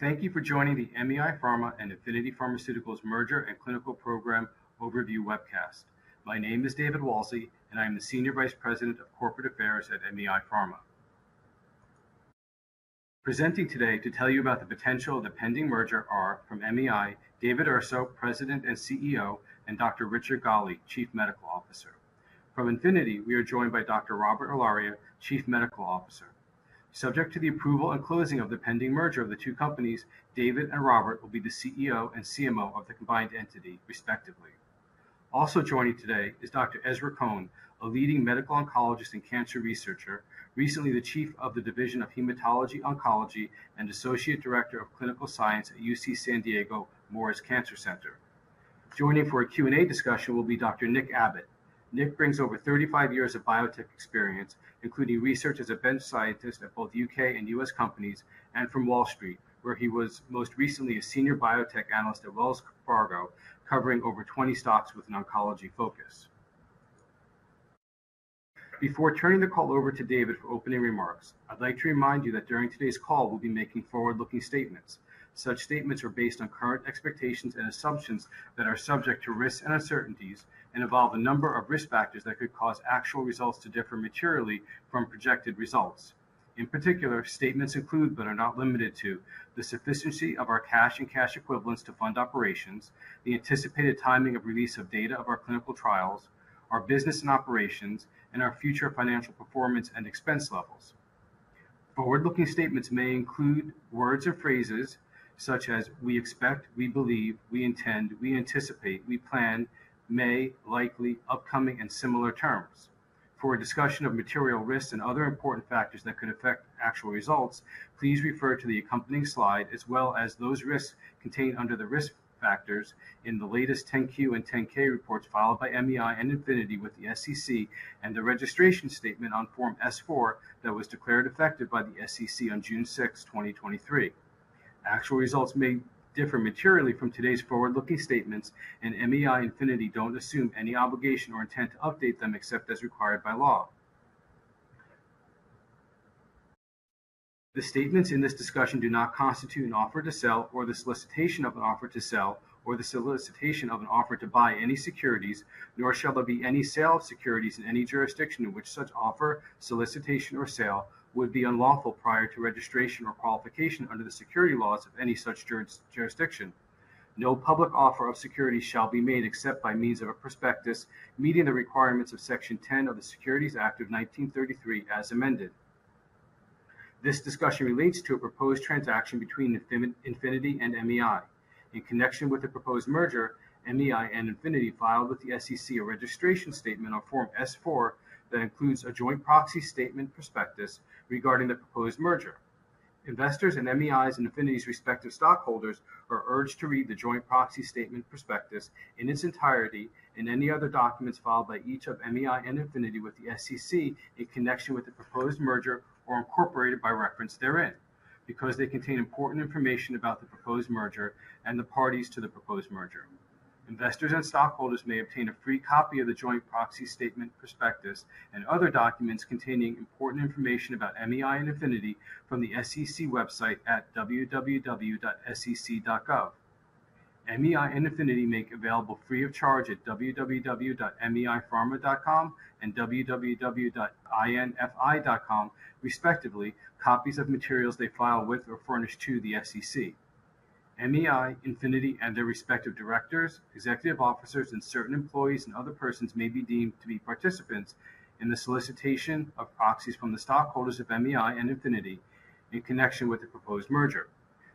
Thank you for joining the MEI Pharma and Infinity Pharmaceuticals merger and clinical program overview webcast. My name is David Walsey, and I'm the Senior Vice President of Corporate Affairs at MEI Pharma. Presenting today to tell you about the potential of the pending merger are, from MEI, David Urso, President and CEO, and Dr. Richard Ghalie, Chief Medical Officer. From Infinity, we are joined by Dr. Robert Ilaria, Chief Medical Officer. Subject to the approval and closing of the pending merger of the two companies, David and Robert will be the CEO and CMO of the combined entity, respectively. Also joining today is Dr. Ezra Cohen, a leading medical oncologist and cancer researcher, recently the Chief of the Division of Hematology Oncology and Associate Director of Clinical Science at UC San Diego Moores Cancer Center. Joining for a Q&A discussion will be Dr. Nick Abbott. Nick brings over 35 years of biotech experience, including research as a bench scientist at both UK and US companies, and from Wall Street, where he was most recently a senior biotech analyst at Wells Fargo, covering over 20 stocks with an oncology focus. Before turning the call over to David for opening remarks, I'd like to remind you that during today's call, we'll be making forward-looking statements. Such statements are based on current expectations and assumptions that are subject to risks and uncertainties, and involve a number of risk factors that could cause actual results to differ materially from projected results. In particular, statements include, but are not limited to, the sufficiency of our cash and cash equivalents to fund operations, the anticipated timing of release of data of our clinical trials, our business and operations, and our future financial performance and expense levels. Forward-looking statements may include words or phrases such as "we expect," "we believe," "we intend," "we anticipate," "we plan," "may," "likely," "upcoming," and similar terms. For a discussion of material risks and other important factors that could affect actual results, please refer to the accompanying slide, as well as those risks contained under the risk factors in the latest 10-Q and 10-K reports filed by MEI and Infinity with the SEC, and the registration statement on Form S-4 that was declared effective by the SEC on June 6, 2023. Actual results may differ materially from today's forward-looking statements, MEI, Infinity don't assume any obligation or intent to update them, except as required by law. The statements in this discussion do not constitute an offer to sell, or the solicitation of an offer to sell, or the solicitation of an offer to buy any securities, nor shall there be any sale of securities in any jurisdiction in which such offer, solicitation, or sale would be unlawful prior to registration or qualification under the security laws of any such jurisdiction. No public offer of securities shall be made, except by means of a prospectus meeting the requirements of Section 10 of the Securities Act of 1933, as amended. This discussion relates to a proposed transaction between Infinity and MEI. In connection with the proposed merger, MEI and Infinity filed with the SEC a registration statement on Form S-4 that includes a joint proxy statement prospectus regarding the proposed merger. Investors in MEI's and Infinity's respective stockholders are urged to read the joint proxy statement prospectus in its entirety, and any other documents filed by each of MEI and Infinity with the SEC in connection with the proposed merger or incorporated by reference therein, because they contain important information about the proposed merger and the parties to the proposed merger. Investors and stockholders may obtain a free copy of the joint proxy statement prospectus and other documents containing important information about MEI and Infinity from the SEC website at www.sec.gov. MEI and Infinity make available free of charge at www.meipharma.com and www.infi.com, respectively, copies of materials they file with or furnish to the SEC. MEI, Infinity, and their respective directors, executive officers, and certain employees and other persons may be deemed to be participants in the solicitation of proxies from the stockholders of MEI and Infinity in connection with the proposed merger.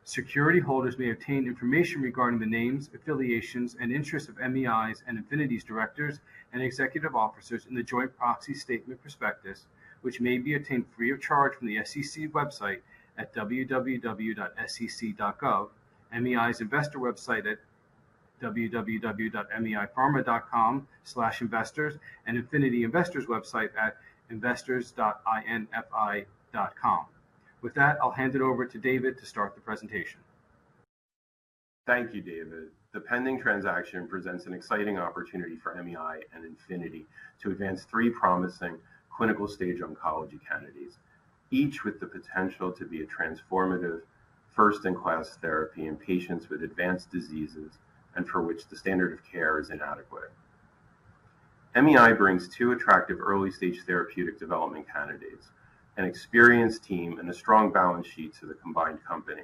Security holders may obtain information regarding the names, affiliations, and interests of MEI's and Infinity's directors and executive officers in the joint proxy statement prospectus, which may be obtained free of charge from the SEC website at www.sec.gov, MEI's investor website at www.meipharma.com/investors, and Infinity investors website at investors.infi.com. With that, I'll hand it over to David to start the presentation. Thank you, David. The pending transaction presents an exciting opportunity for MEI and Infinity to advance three promising clinical stage oncology candidates, each with the potential to be a transformative, first-in-class therapy in patients with advanced diseases and for which the standard of care is inadequate. MEI brings two attractive early-stage therapeutic development candidates, an experienced team, and a strong balance sheet to the combined company.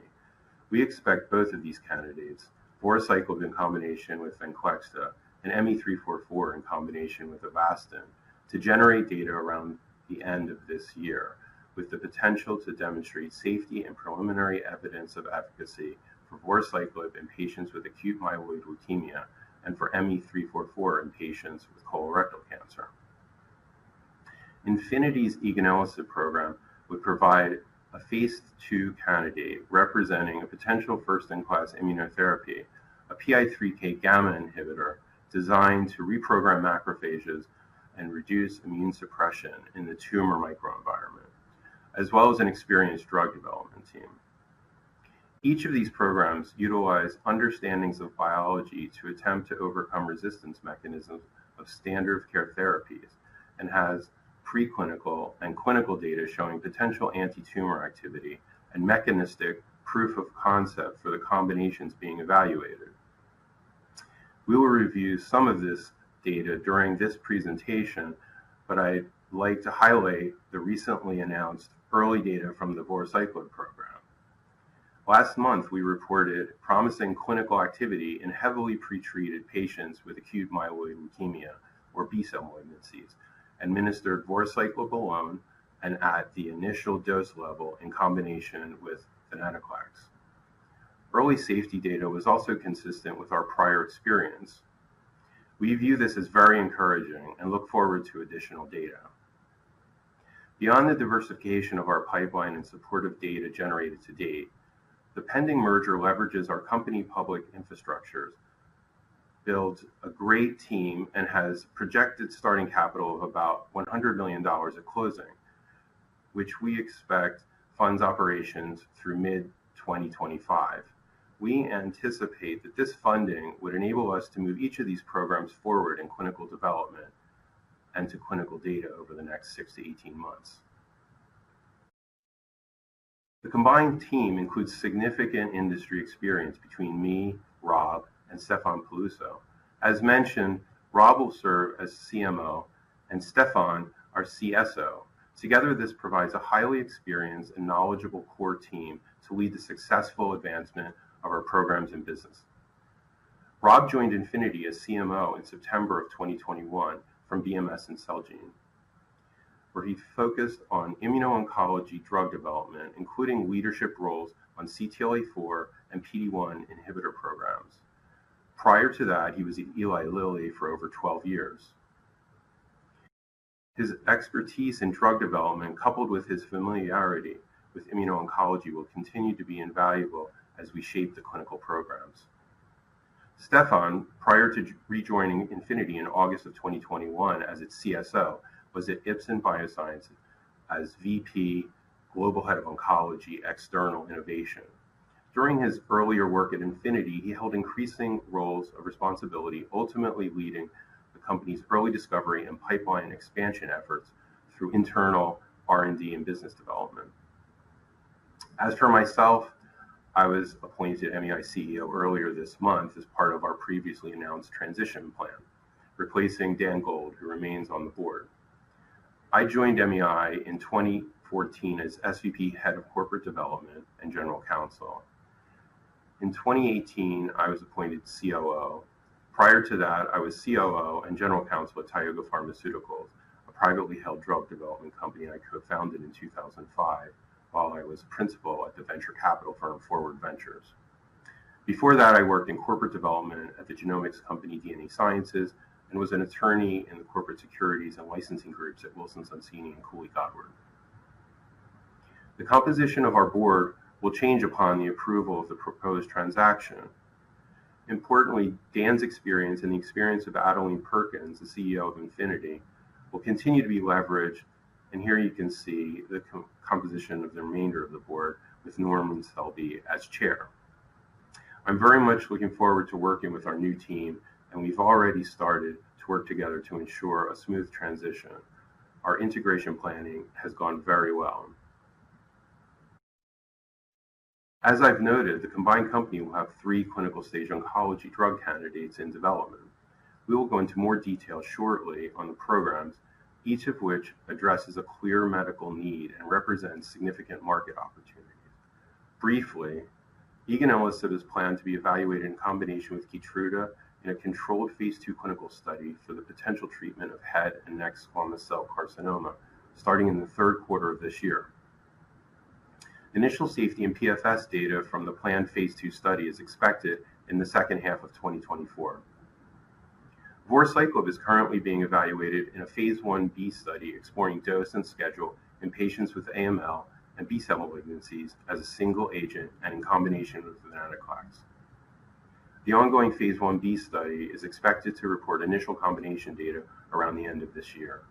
We expect both of these candidates, voruciclib in combination with Venclexta, and ME-344 in combination with Avastin, to generate data around the end of this year, with the potential to demonstrate safety and preliminary evidence of efficacy for voruciclib in patients with acute myeloid leukemia, and for ME-344 in patients with colorectal cancer. Infinity's eganelisib program would provide a phase II candidate representing a potential first-in-class immunotherapy, a PI3K-gamma inhibitor designed to reprogram macrophages and reduce immune suppression in the tumor microenvironment, as well as an experienced drug development team. Each of these programs utilize understandings of biology to attempt to overcome resistance mechanisms of standard of care therapies, and has preclinical and clinical data showing potential anti-tumor activity and mechanistic proof of concept for the combinations being evaluated. We will review some of this data during this presentation, but I'd like to highlight the recently announced early data from the voruciclib program. Last month, we reported promising clinical activity in heavily pre-treated patients with acute myeloid leukemia, or B-cell malignancies, administered voruciclib alone and at the initial dose level in combination with venetoclax. Early safety data was also consistent with our prior experience. We view this as very encouraging and look forward to additional data. Beyond the diversification of our pipeline and supportive data generated to date, the pending merger leverages our company public infrastructures, builds a great team, and has projected starting capital of about $100 million at closing, which we expect funds operations through mid-2025. We anticipate that this funding would enable us to move each of these programs forward in clinical development and to clinical data over the next six to 18 months. The combined team includes significant industry experience between me, Rob, and Stéphane Peluso. As mentioned, Rob will serve as CMO and Stéphane, our CSO. Together, this provides a highly experienced and knowledgeable core team to lead the successful advancement of our programs and business. Rob joined Infinity as CMO in September of 2021 from BMS and Celgene, where he focused on immuno-oncology drug development, including leadership roles on CTLA-4 and PD-1 inhibitor programs. Prior to that, he was at Eli Lilly for over 12 years. His expertise in drug development, coupled with his familiarity with immuno-oncology, will continue to be invaluable as we shape the clinical programs. Stéphane, prior to re-joining Infinity in August of 2021 as its CSO, was at Ipsen Bioscience as VP, Global Head of Oncology, External Innovation. During his earlier work at Infinity, he held increasing roles of responsibility, ultimately leading the company's early discovery and pipeline expansion efforts through internal R&D and business development. As for myself, I was appointed MEI CEO earlier this month as part of our previously announced transition plan, replacing Dan Gold, who remains on the board. I joined MEI in 2014 as SVP, Head of Corporate Development and General Counsel. In 2018, I was appointed COO. Prior to that, I was COO and General Counsel at Tioga Pharmaceuticals, a privately held drug development company I co-founded in 2005 while I was Principal at the venture capital firm, Forward Ventures. Before that, I worked in corporate development at the genomics company, DNA Sciences, and was an attorney in the corporate securities and licensing groups at Wilson Sonsini Goodrich & Rosati. The composition of our board will change upon the approval of the proposed transaction. Importantly, Dan's experience and the experience of Adelene Perkins, the CEO of Infinity, will continue to be leveraged, and here you can see the co-composition of the remainder of the board with Norman Selby as chair. I'm very much looking forward to working with our new team, and we've already started to work together to ensure a smooth transition. Our integration planning has gone very well. As I've noted, the combined company will have three clinical-stage oncology drug candidates in development. We will go into more detail shortly on the programs, each of which addresses a clear medical need and represents significant market opportunity. Briefly, eganelisib is planned to be evaluated in combination with KEYTRUDA in a controlled phase II clinical study for the potential treatment of head and neck squamous cell carcinoma, starting in the third quarter of this year. Initial safety and PFS data from the planned phase II study is expected in the H2 of 2024. voruciclib is currently being evaluated in a phase Ib study, exploring dose and schedule in patients with AML and B-cell malignancies as a single agent and in combination with venetoclax. The ongoing phase Ib study is expected to report initial combination data around the end of this year.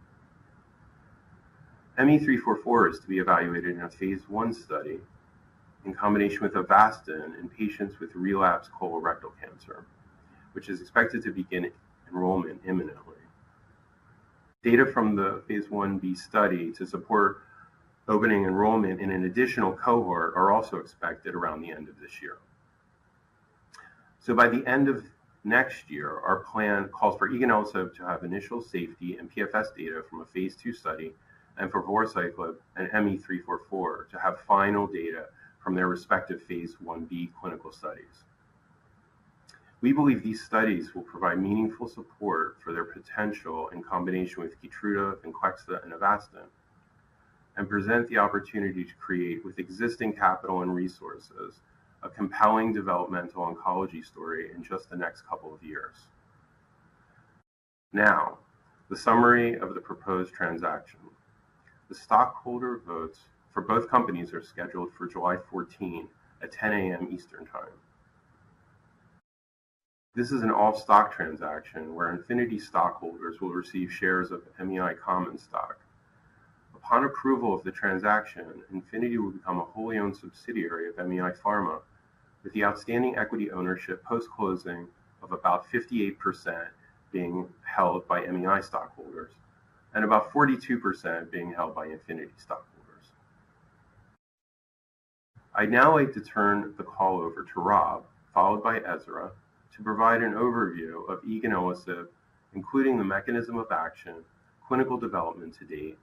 ME-344 is to be evaluated in a phase I study in combination with Avastin in patients with relapsed colorectal cancer, which is expected to begin enrollment imminently. Data from the phase Ib study to support opening enrollment in an additional cohort are also expected around the end of this year. By the end of next year, our plan calls for eganelisib to have initial safety and PFS data from a phase II study, and for voruciclib and ME-344 to have final data from their respective phase Ib clinical studies. We believe these studies will provide meaningful support for their potential in combination with KEYTRUDA, Venclexta, and Avastin, present the opportunity to create, with existing capital and resources, a compelling developmental oncology story in just the next couple of years. The summary of the proposed transaction. The stockholder votes for both companies are scheduled for July 14 at 10,00AM Eastern Time. This is an all-stock transaction where Infinity stockholders will receive shares of MEI common stock. Upon approval of the transaction, Infinity will become a wholly owned subsidiary of MEI Pharma, with the outstanding equity ownership post-closing of about 58% being held by MEI stockholders and about 42% being held by Infinity stockholders. I'd now like to turn the call over to Rob, followed by Ezra, to provide an overview of eganelisib, including the mechanism of action, clinical development to date,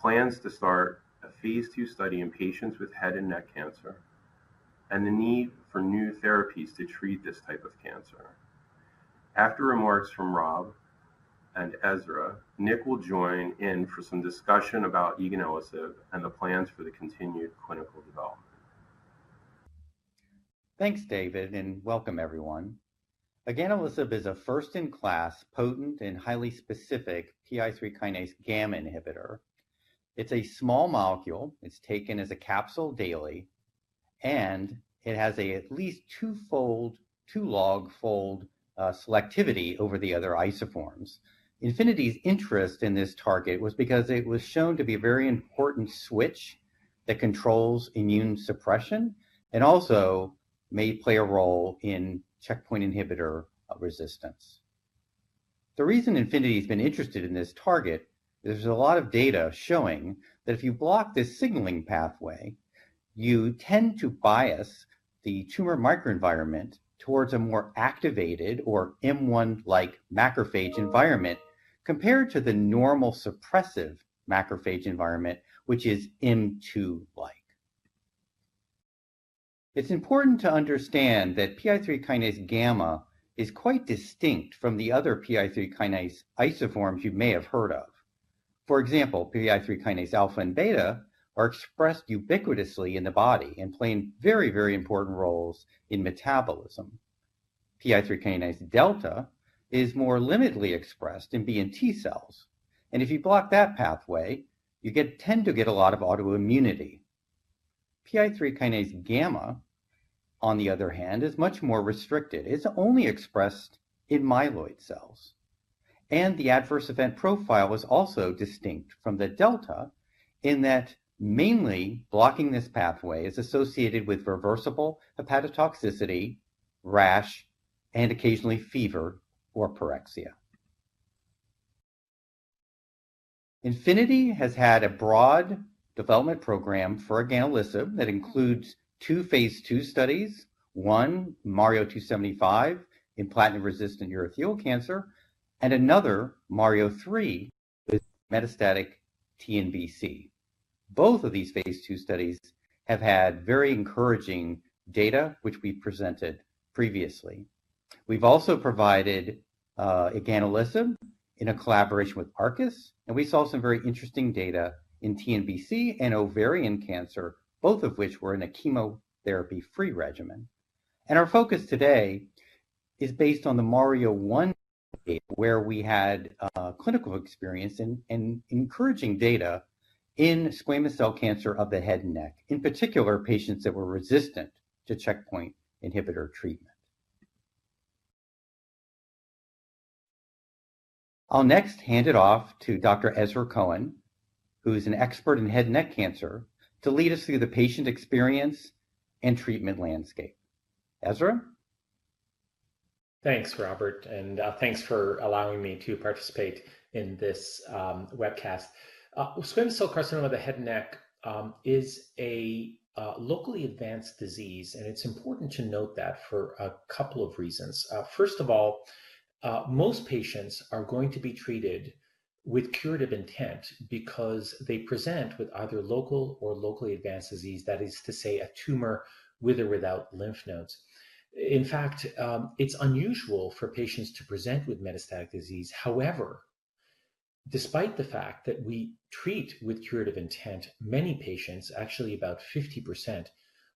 plans to start a phase II study in patients with head and neck cancer, and the need for new therapies to treat this type of cancer. After remarks from Rob and Ezra, Nick will join in for some discussion about eganelisib and the plans for the continued clinical development. Thanks, David, and welcome everyone. Eganelisib is a first-in-class, potent, and highly specific PI3K-gamma inhibitor. It's a small molecule. It's taken as a capsule daily, and it has a at least two fold, two log fold selectivity over the other isoforms. Infinity's interest in this target was because it was shown to be a very important switch that controls immune suppression and also may play a role in checkpoint inhibitor resistance. The reason Infinity's been interested in this target is there's a lot of data showing that if you block this signalling pathway, you tend to bias the tumor microenvironment towards a more activated or M1-like macrophage environment, compared to the normal suppressive macrophage environment, which is M2-like. It's important to understand that PI3K-gamma is quite distinct from the other PI3K isoforms you may have heard of. For example, PI3K-alpha and PI3K-beta are expressed ubiquitously in the body and playing very, very important roles in metabolism. PI3K-delta is more limitedly expressed in B and T cells, and if you block that pathway, you tend to get a lot of autoimmunity. PI3K-gamma, on the other hand, is much more restricted. It's only expressed in myeloid cells, and the adverse event profile is also distinct from the delta, in that mainly blocking this pathway is associated with reversible hepatotoxicity, rash, and occasionally fever or pyrexia. Infinity has had a broad development program for eganelisib that includes two phase II studies, one, MARIO-275, in platinum-resistant urothelial cancer, and another, MARIO-3, with metastatic TNBC. Both of these phase II studies have had very encouraging data, which we presented previously. We've also provided eganelisib in a collaboration with Arcus, we saw some very interesting data in TNBC and ovarian cancer, both of which were in a chemotherapy-free regimen. Our focus today is based on the MARIO-1, where we had clinical experience and encouraging data in squamous cell cancer of the head and neck, in particular, patients that were resistant to checkpoint inhibitor treatment. I'll next hand it off to Dr. Ezra Cohen, who is an expert in head and neck cancer, to lead us through the patient experience and treatment landscape. Ezra? Thanks, Robert, thanks for allowing me to participate in this webcast. Squamous cell carcinoma of the head and neck is a locally advanced disease, it's important to note that for a couple of reasons. First of all, most patients are going to be treated with curative intent because they present with either local or locally advanced disease, that is to say, a tumor with or without lymph nodes. In fact, it's unusual for patients to present with metastatic disease. Despite the fact that we treat with curative intent, many patients, actually about 50%,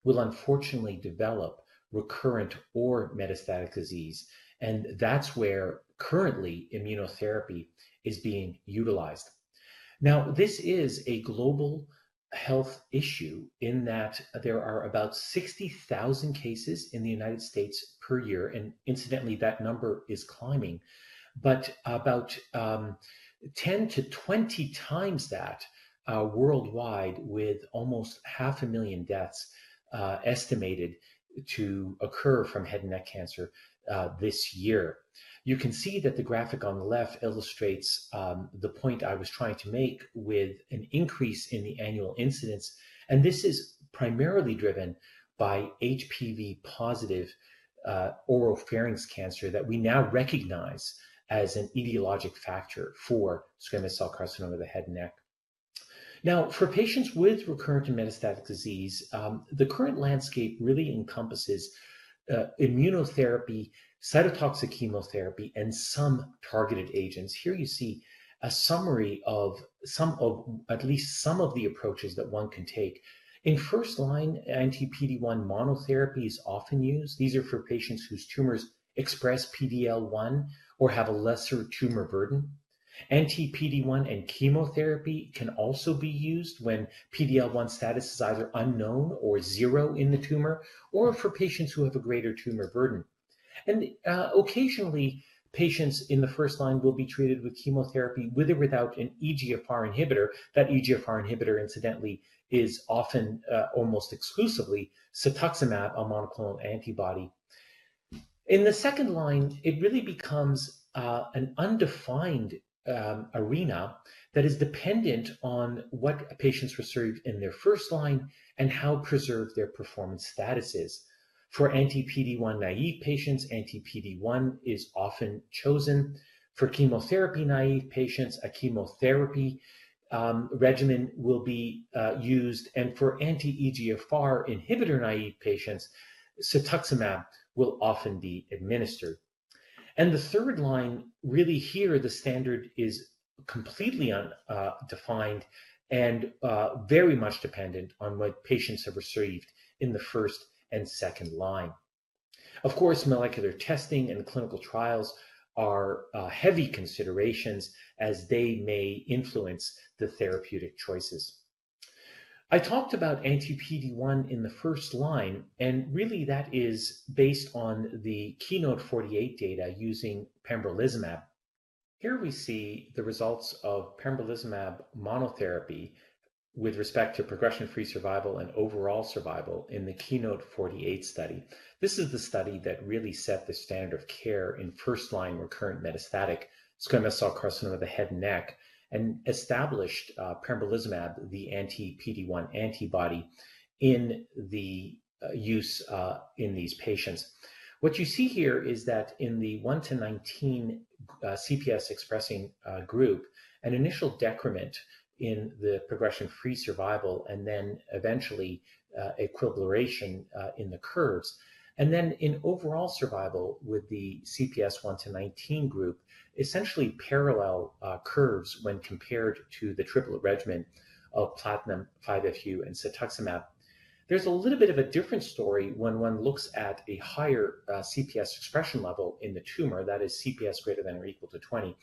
will unfortunately develop recurrent or metastatic disease, and that's where currently immunotherapy is being utilized. This is a global health issue in that there are about 60,000 cases in the United States per year, and incidentally, that number is climbing, but about 10-20 times that worldwide, with almost half a million deaths estimated to occur from head and neck cancer this year. You can see that the graphic on the left illustrates the point I was trying to make with an increase in the annual incidence, and this is primarily driven by HPV-positive oropharynx cancer that we now recognize as an etiologic factor for squamous cell carcinoma of the head and neck. For patients with recurrent and metastatic disease, the current landscape really encompasses immunotherapy, cytotoxic chemotherapy, and some targeted agents. Here you see a summary of at least some of the approaches that one can take. In first-line, anti-PD-1 monotherapy is often used. These are for patients whose tumors express PD-L1 or have a lesser tumor burden. Anti-PD-1 and chemotherapy can also be used when PD-L1 status is either unknown or zero in the tumor, or for patients who have a greater tumor burden. Occasionally, patients in the first line will be treated with chemotherapy, with or without an EGFR inhibitor. That EGFR inhibitor, incidentally, is often almost exclusively cetuximab, a monoclonal antibody. In the second line, it really becomes an undefined arena that is dependent on what patients received in their first line and how preserved their performance status is. For anti-PD-1-naive patients, anti-PD-1 is often chosen. For chemotherapy-naive patients, a chemotherapy regimen will be used, and for anti-EGFR inhibitor-naive patients, cetuximab will often be administered. The third line, really here, the standard is completely undefined and very much dependent on what patients have received in the first and second line. Of course, molecular testing and clinical trials are heavy considerations as they may influence the therapeutic choices. I talked about anti-PD-1 in the first line, really that is based on the data using pembrolizumab. Here we see the results of pembrolizumab monotherapy with respect to progression-free survival and overall survival in the KEYNOTE-048 study. This is the study that really set the standard of care in first-line recurrent metastatic squamous cell carcinoma of the head and neck and established pembrolizumab, the anti-PD-1 antibody, in the use in these patients. What you see here is that in the 1-19 CPS-expressing group, an initial decrement in the progression-free survival and then eventually equilibration in the curves. In overall survival with the CPS 1-19 group, essentially parallel curves when compared to the triplet regimen of platinum, 5-FU, and cetuximab. There's a little bit of a different story when one looks at a higher CPS expression level in the tumor, that is CPS greater than or equal to 20.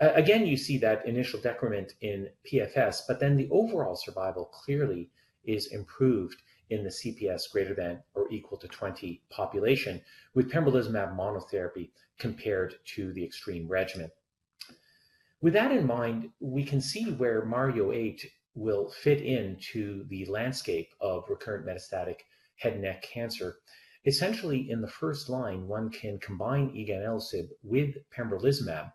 Again, you see that initial decrement in PFS, but then the overall survival clearly is improved in the CPS greater than or equal to 20 population with pembrolizumab monotherapy compared to the extreme regimen. With that in mind, we can see where MARIO-8 will fit into the landscape of recurrent metastatic head and neck cancer. Essentially, in the first line, one can combine eganelisib with pembrolizumab,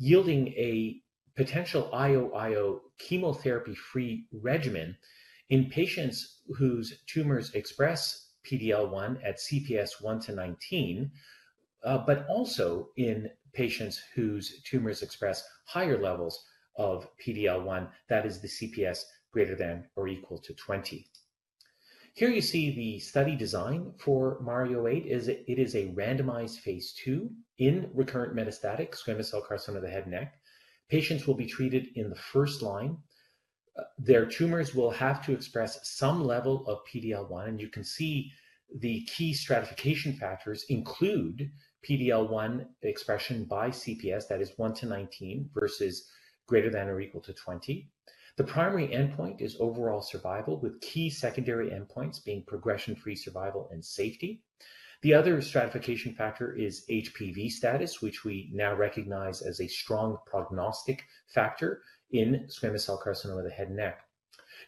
yielding a potential IO/IO chemotherapy-free regimen in patients whose tumors express PD-L1 at CPS 1-19, but also in patients whose tumors express higher levels of PD-L1, that is, the CPS greater than or equal to 20. Here you see the study design for MARIO-8 is it is a randomized phase II in recurrent metastatic squamous cell carcinoma of the head and neck. Patients will be treated in the first line. Their tumors will have to express some level of PD-L1, and you can see the key stratification factors include PD-L1 expression by CPS, that is 1-19 versus greater than or equal to 20. The primary endpoint is overall survival, with key secondary endpoints being progression-free survival and safety. The other stratification factor is HPV status, which we now recognize as a strong prognostic factor in head and neck squamous cell carcinoma.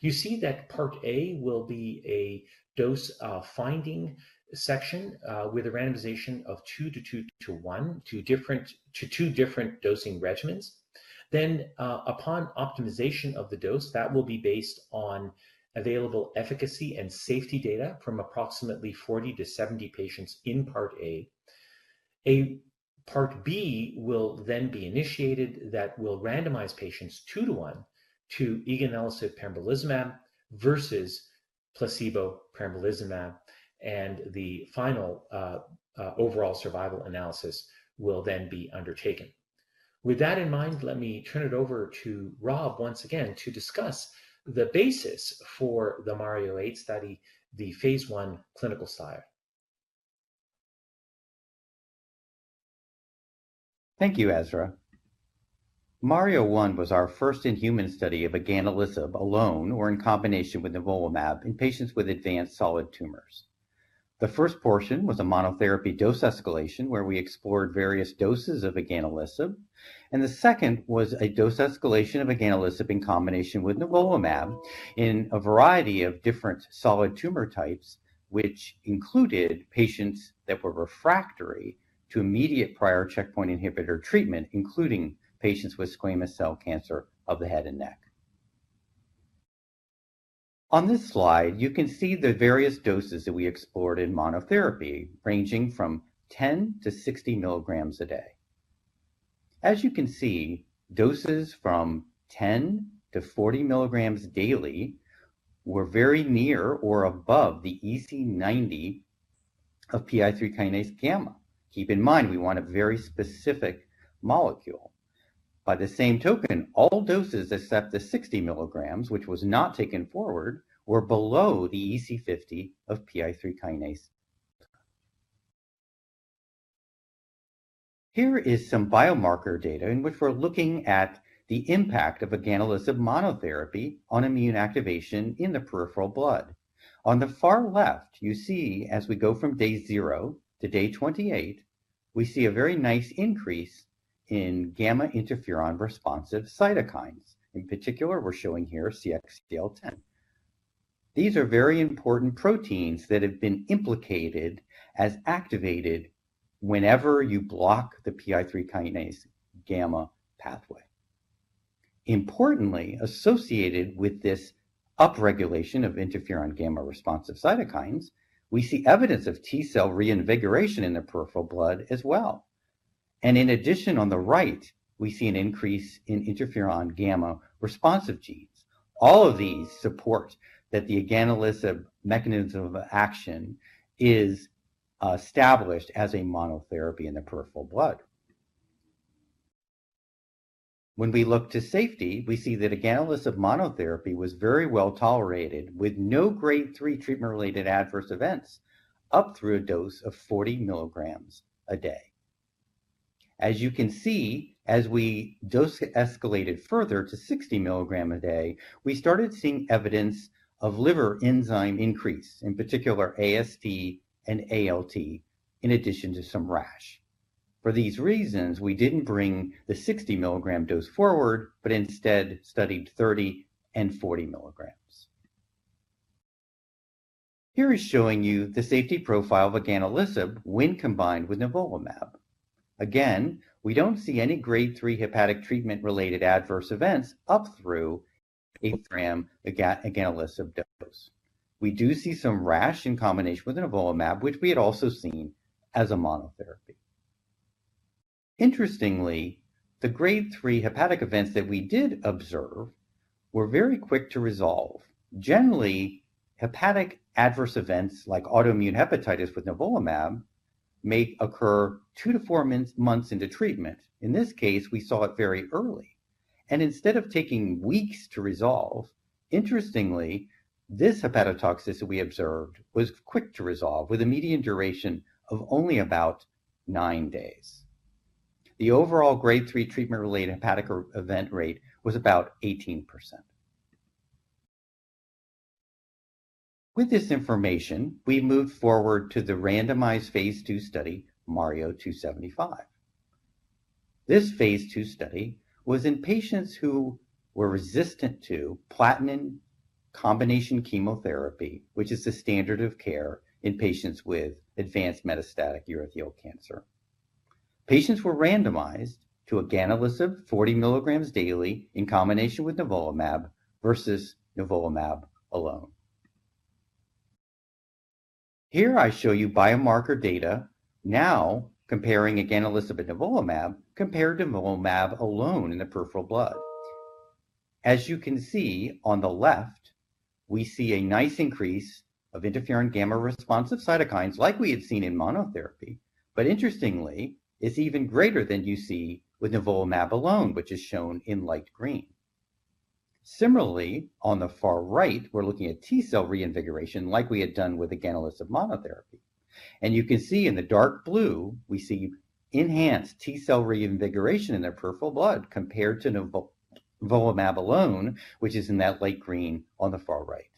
You see that Part A will be a dose finding section with a randomization of two to two to one, two different dosing regimens. Upon optimization of the dose, that will be based on available efficacy and safety data from approximately 40 to 70 patients in Part A. Part B will be initiated that will randomize patients two to one to eganelisib-pembrolizumab versus placebo-pembrolizumab, and the final overall survival analysis will be undertaken. With that in mind, let me turn it over to Rob once again to discuss the basis for the MARIO-8 study, the phase I clinical side. Thank you, Ezra. MARIO-1 was our first in-human study of eganelisib alone or in combination with nivolumab in patients with advanced solid tumors. The first portion was a monotherapy dose escalation, where we explored various doses of eganelisib. The second was a dose escalation of eganelisib in combination with nivolumab in a variety of different solid tumor types, which included patients that were refractory to immediate prior checkpoint inhibitor treatment, including patients with squamous cell cancer of the head and neck. On this slide, you can see the various doses that we explored in monotherapy, ranging from 10 to 60 milligrams a day. As you can see, doses from 10 to 40 milligrams daily were very near or above the EC90 of PI3K-gamma. Keep in mind, we want a very specific molecule. By the same token, all doses except the 60 milligrams, which was not taken forward, were below the EC50 of PI3 kinase. Here is some biomarker data in which we're looking at the impact of eganelisib monotherapy on immune activation in the peripheral blood. On the far left, you see as we go from day zero to day 28, we see a very nice increase in interferon gamma-responsive cytokines. In particular, we're showing here CXCL10. These are very important proteins that have been implicated as activated whenever you block the PI3 kinase gamma pathway. Importantly, associated with this upregulation of interferon gamma-responsive cytokines, we see evidence of T-cell reinvigoration in the peripheral blood as well. In addition, on the right, we see an increase in interferon gamma-responsive genes. All of these support that the eganelisib mechanism of action is established as a monotherapy in the peripheral blood. When we look to safety, we see that eganelisib monotherapy was very well tolerated, with no grade III treatment-related adverse events up through a dose of 40 milligrams a day. As you can see, as we dose escalated further to 60 milligram a day, we started seeing evidence of liver enzyme increase, in particular AST and ALT, in addition to some rash. For these reasons, we didn't bring the 60-milligram dose forward, but instead studied 30 and 40 milligrams. Here is showing you the safety profile of eganelisib when combined with nivolumab. Again, we don't see any grade III hepatic treatment-related adverse events up through a gram, the eganelisib dose. We do see some rash in combination with nivolumab, which we had also seen as a monotherapy. Interestingly, the grade III hepatic events that we did observe were very quick to resolve. Generally, hepatic adverse events like autoimmune hepatitis with nivolumab may occur two to four months into treatment. In this case, we saw it very early. Instead of taking weeks to resolve, interestingly, this hepatotoxicity we observed was quick to resolve, with a median duration of only about nine days. The overall grade III treatment-related hepatic event rate was about 18%. With this information, we moved forward to the randomized phase II study, MARIO-275. This phase II study was in patients who were resistant to platinum combination chemotherapy, which is the standard of care in patients with advanced metastatic urothelial cancer. Patients were randomized to eganelisib 40 mg daily in combination with nivolumab versus nivolumab alone. Here I show you biomarker data now comparing eganelisib and nivolumab, compared to nivolumab alone in the peripheral blood. As you can see on the left, we see a nice increase of interferon gamma responsive cytokines like we had seen in monotherapy. Interestingly, it's even greater than you see with nivolumab alone, which is shown in light green. Similarly, on the far right, we're looking at T-cell reinvigoration like we had done with eganelisib monotherapy. You can see in the dark blue, we see enhanced T-cell reinvigoration in the peripheral blood compared to nivolumab alone, which is in that light green on the far right.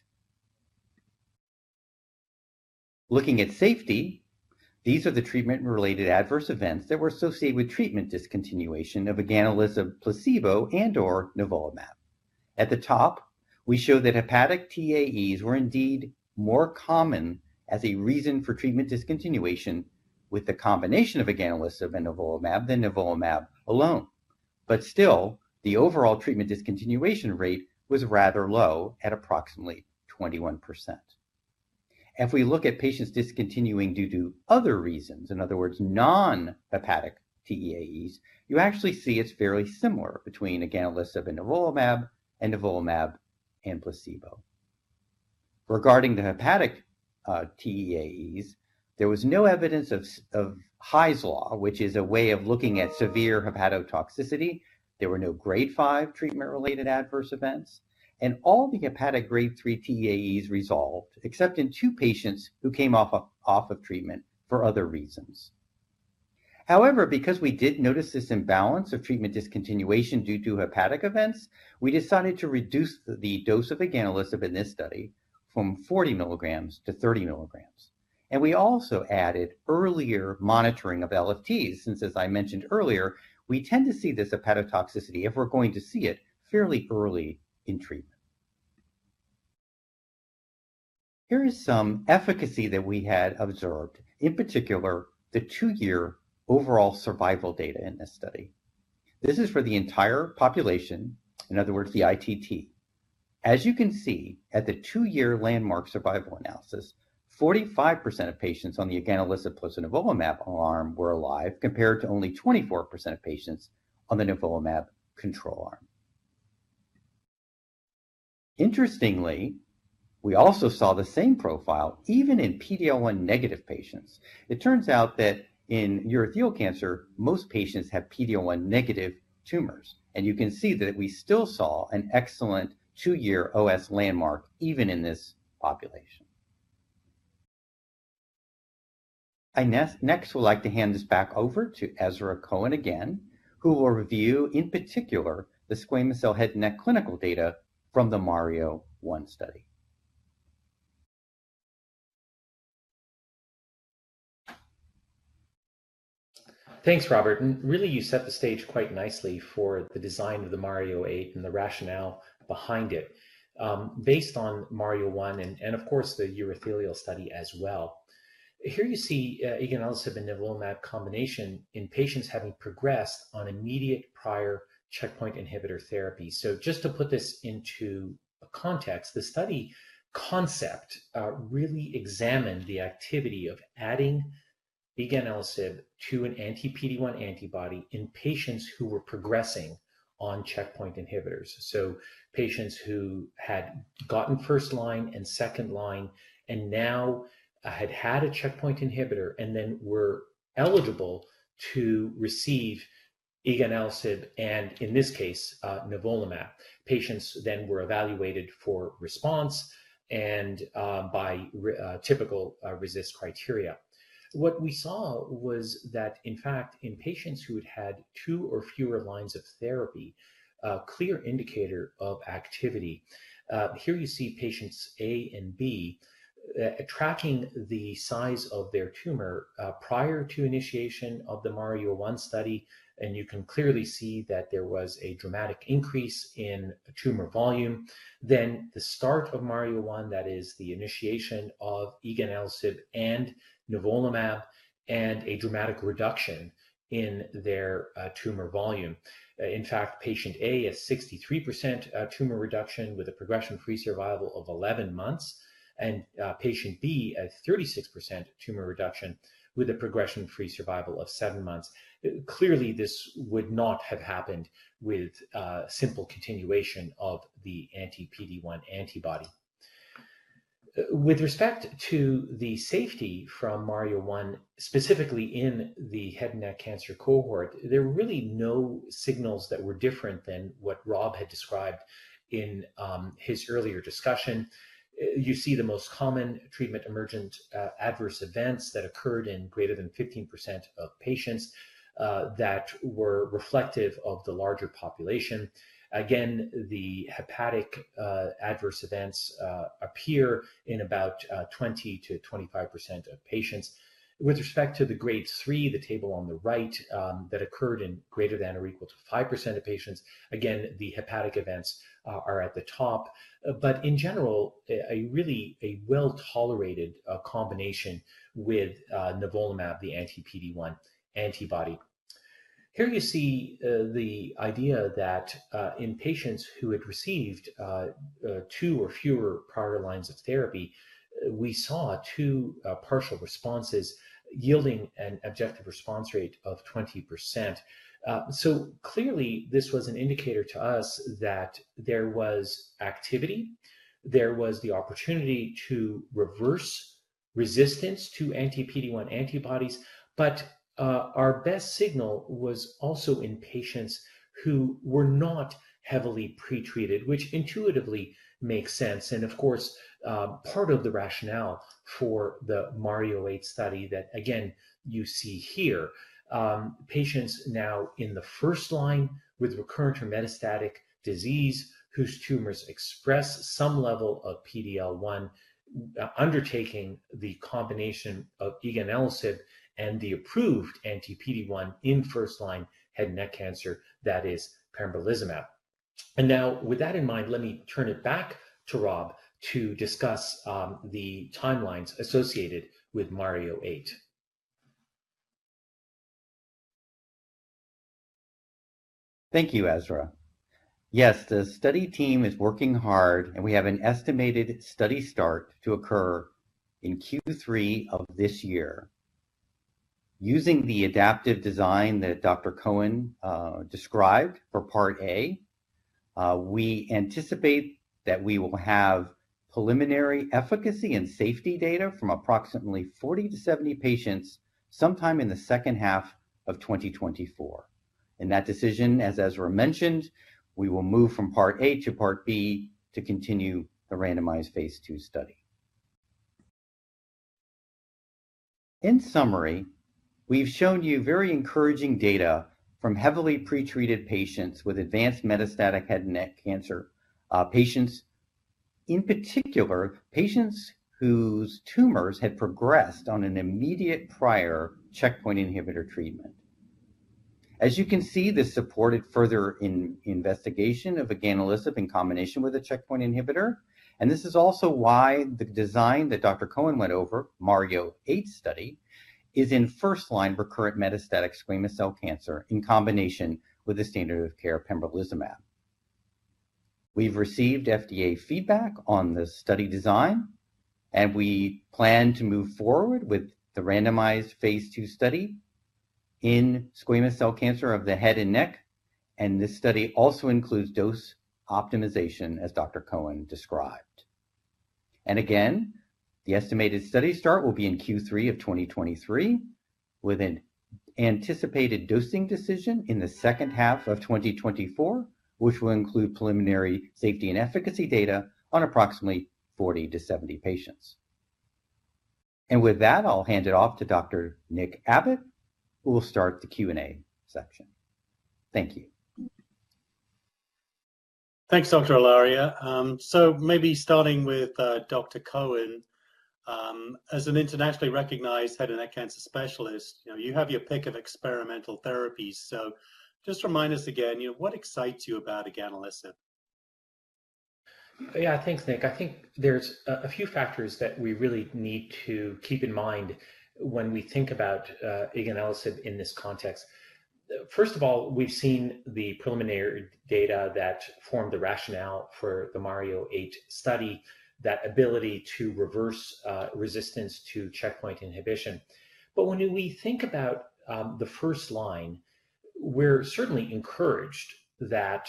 Looking at safety, these are the treatment-related adverse events that were associated with treatment discontinuation of eganelisib placebo and/or nivolumab. At the top, we show that hepatic TAEs were indeed more common as a reason for treatment discontinuation with the combination of eganelisib and nivolumab than nivolumab alone. Still, the overall treatment discontinuation rate was rather low, at approximately 21%. If we look at patients discontinuing due to other reasons, in other words, non-hepatic TAEs, you actually see it's fairly similar between eganelisib and nivolumab and nivolumab and placebo. Regarding the hepatic TAEs, there was no evidence of Hy's Law, which is a way of looking at severe hepatotoxicity. There were nograde V treatment-related adverse events, and all the hepatic grade III TAEs resolved, except in two patients who came off of treatment for other reasons. However, because we did notice this imbalance of treatment discontinuation due to hepatic events, we decided to reduce the dose of eganelisib in this study from 40 milligrams to 30 milligrams. We also added earlier monitoring of LFTs, since, as I mentioned earlier, we tend to see this hepatotoxicity, if we're going to see it, fairly early in treatment. Here is some efficacy that we had observed, in particular, the two year overall survival data in this study. This is for the entire population, in other words, the ITT. As you can see, at the two year landmark survival analysis, 45% of patients on the eganelisib plus nivolumab arm were alive, compared to only 24% of patients on the nivolumab control arm. Interestingly, we also saw the same profile even in PD-L1 negative patients. It turns out that in urothelial cancer, most patients have PD-L1 negative tumors, and you can see that we still saw an excellent two year OS landmark even in this population. Next, would like to hand this back over to Ezra Cohen again, who will review, in particular, the squamous cell head neck clinical data from the MARIO-1 study. Thanks, Robert. Really, you set the stage quite nicely for the design of the MARIO-8 and the rationale behind it, based on MARIO-1 and of course, the urothelial study as well. Here you see, eganelisib and nivolumab combination in patients having progressed on immediate prior checkpoint inhibitor therapy. Just to put this into a context, the study concept really examined the activity of adding eganelisib to an anti-PD-1 antibody in patients who were progressing on checkpoint inhibitors. Patients who had gotten first-line and second-line and now had a checkpoint inhibitor and then were eligible to receive eganelisib and in this case, nivolumab. Patients then were evaluated for response and by typical RECIST criteria. What we saw was that, in fact, in patients who had two or fewer lines of therapy, a clear indicator of activity. Here you see patients A and B, tracking the size of their tumor, prior to initiation of the MARIO-1 study. You can clearly see that there was a dramatic increase in tumor volume. The start of MARIO-1, that is the initiation of eganelisib and nivolumab, and a dramatic reduction in their tumor volume. In fact, patient A, a 63% tumor reduction with a progression-free survival of 11 months. Patient B, a 36% tumor reduction with a progression-free survival of seven months. Clearly, this would not have happened with simple continuation of the anti-PD-1 antibody. With respect to the safety from MARIO-1, specifically in the head and neck cancer cohort, there were really no signals that were different than what Rob had described in his earlier discussion. You see the most common treatment-emergent adverse events that occurred in greater than 15% of patients that were reflective of the larger population. The hepatic adverse events appear in about 20%-25% of patients. With respect to the grade III, the table on the right, that occurred in greater than or equal to 5% of patients. The hepatic events are at the top, but in general, a really well-tolerated combination with nivolumab, the anti-PD-1 antibody. Here you see the idea that in patients who had received two or fewer prior lines of therapy, we saw two partial responses yielding an objective response rate of 20%. Clearly, this was an indicator to us that there was activity, there was the opportunity to reverse resistance to anti-PD-1 antibodies. Our best signal was also in patients who were not heavily pre-treated, which intuitively makes sense. Of course, part of the rationale for the MARIO-8 study that, again, you see here. Patients now in the first-line with recurrent or metastatic disease, whose tumors express some level of PD-L1, undertaking the combination of eganelisib and the approved anti-PD-1 in first-line head and neck cancer, that is pembrolizumab. With that in mind, let me turn it back to Rob to discuss the timelines associated with MARIO-8. Thank you, Ezra. Yes, the study team is working hard, and we have an estimated study start to occur in Q3 of this year. Using the adaptive design that Dr. Cohen described for part A, we anticipate that we will have preliminary efficacy and safety data from approximately 40 to 70 patients sometime in the H2 of 2024. That decision, as Ezra mentioned, we will move from part A to part B to continue the randomized phase two study. In summary, we've shown you very encouraging data from heavily pretreated patients with advanced metastatic head and neck cancer, in particular, patients whose tumors had progressed on an immediate prior checkpoint inhibitor treatment. As you can see, this supported further investigation of eganelisib in combination with a checkpoint inhibitor. This is also why the design that Dr. Cohen went over, MARIO-8 study, is in first-line recurrent metastatic squamous cell cancer in combination with the standard of care, pembrolizumab. We've received FDA feedback on the study design, we plan to move forward with the randomized phase II study in squamous cell cancer of the head and neck. This study also includes dose optimization, as Dr. Cohen described. Again, the estimated study start will be in Q3 of 2023, with an anticipated dosing decision in the H2 of 2024, which will include preliminary safety and efficacy data on approximately 40 to 70 patients. With that, I'll hand it off to Dr. Nick Abbott, who will start the Q&A section. Thank you. Thanks, Dr. Ilaria. Maybe starting with Dr. Cohen. As an internationally recognized head and neck cancer specialist, you know, you have your pick of experimental therapies, just remind us again, you know, what excites you about eganelisib? Yeah, thanks, Nick. I think there's a few factors that we really need to keep in mind when we think about eganelisib in this context. First of all, we've seen the preliminary data that formed the rationale for the MARIO-8 study, that ability to reverse resistance to checkpoint inhibition. When we think about the first line, we're certainly encouraged that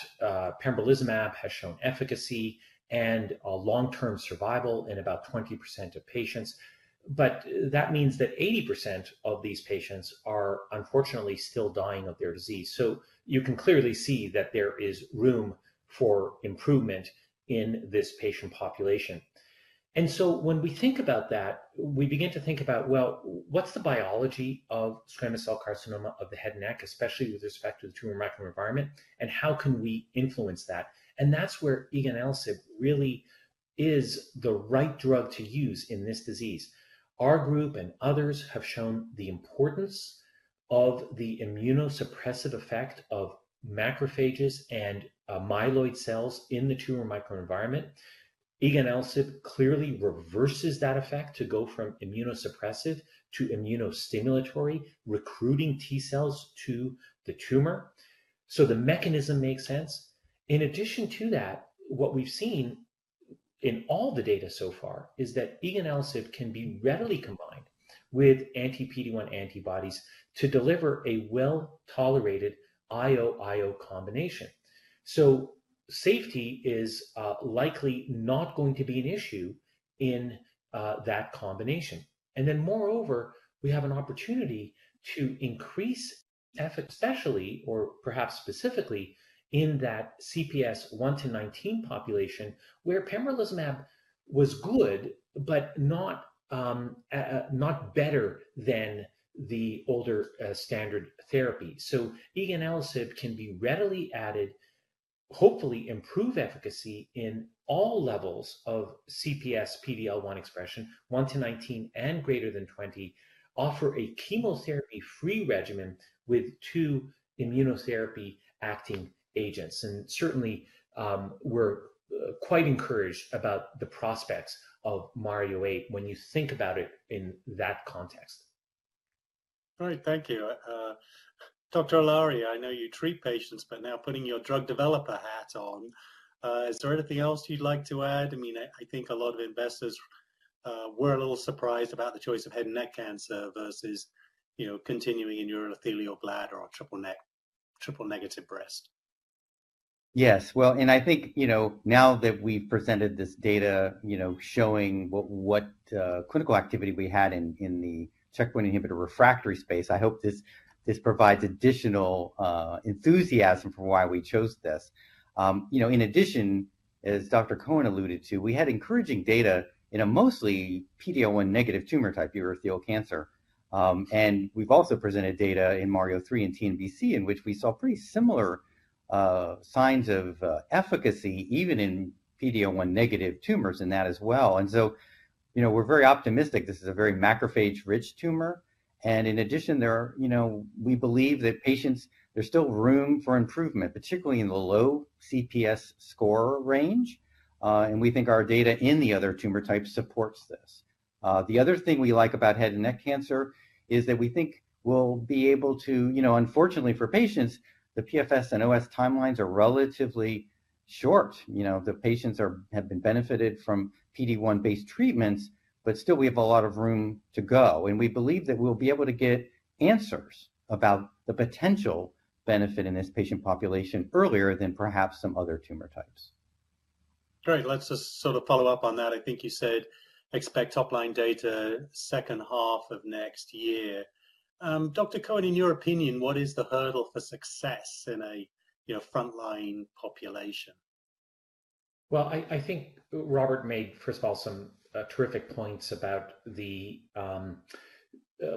pembrolizumab has shown efficacy and a long-term survival in about 20% of patients, but that means that 80% of these patients are unfortunately still dying of their disease. You can clearly see that there is room for improvement in this patient population. When we think about that, we begin to think about, well, what's the biology of squamous cell carcinoma of the head and neck, especially with respect to the tumor microenvironment, and how can we influence that? That's where eganelisib really is the right drug to use in this disease. Our group and others have shown the importance of the immunosuppressive effect of macrophages and myeloid cells in the tumor microenvironment. Eganelisib clearly reverses that effect to go from immunosuppressive to immunostimulatory, recruiting T-cells to the tumor, so the mechanism makes sense. In addition to that, what we've seen in all the data so far is that eganelisib can be readily combined with anti-PD-1 antibodies to deliver a well-tolerated IO/IO combination. Safety is likely not going to be an issue in that combination. Moreover, we have an opportunity to increase effort, especially or perhaps specifically, in that CPS 1-19 population, where pembrolizumab was good, but not better than the older standard therapy. Eganelisib can be readily added, hopefully improve efficacy in all levels of CPS PD-L1 expression, 1-19 and greater than 20, offer a chemotherapy-free regimen with two immunotherapy-acting agents. Certainly, we're quite encouraged about the prospects of MARIO-8 when you think about it in that context. All right. Thank you. Dr. Ilaria, I know you treat patients, but now putting your drug developer hat on, is there anything else you'd like to add? I mean, I think a lot of investors, were a little surprised about the choice of head and neck cancer versus, you know, continuing in urothelial bladder or triple-negative breast. Yes. Well, I think, you know, now that we've presented this data, you know, showing what critical activity we had in the checkpoint inhibitor refractory space, I hope this provides additional enthusiasm for why we chose this. You know, in addition, as Dr. Cohen alluded to, we had encouraging data in a mostly PD-L1 negative tumor type, urothelial cancer. We've also presented data in MARIO-3 and TNBC, in which we saw pretty similar signs of efficacy, even in PD-L1 negative tumors in that as well. You know, we're very optimistic. This is a very macrophage-rich tumor, and in addition, you know, we believe that patients, there's still room for improvement, particularly in the low CPS score range. We think our data in the other tumor types supports this. The other thing we like about head and neck cancer is that we think we'll be able to. You know, unfortunately for patients, the PFS and OS timelines are relatively short. You know, the patients have been benefited from PD-1-based treatments, but still we have a lot of room to go. We believe that we'll be able to get answers about the potential benefit in this patient population earlier than perhaps some other tumor types. Great. Let's just sort of follow up on that. I think you said, expect top-line data H2 of next year. Dr. Cohen, in your opinion, what is the hurdle for success in a, you know, frontline population? I think Robert made, first of all, some terrific points about the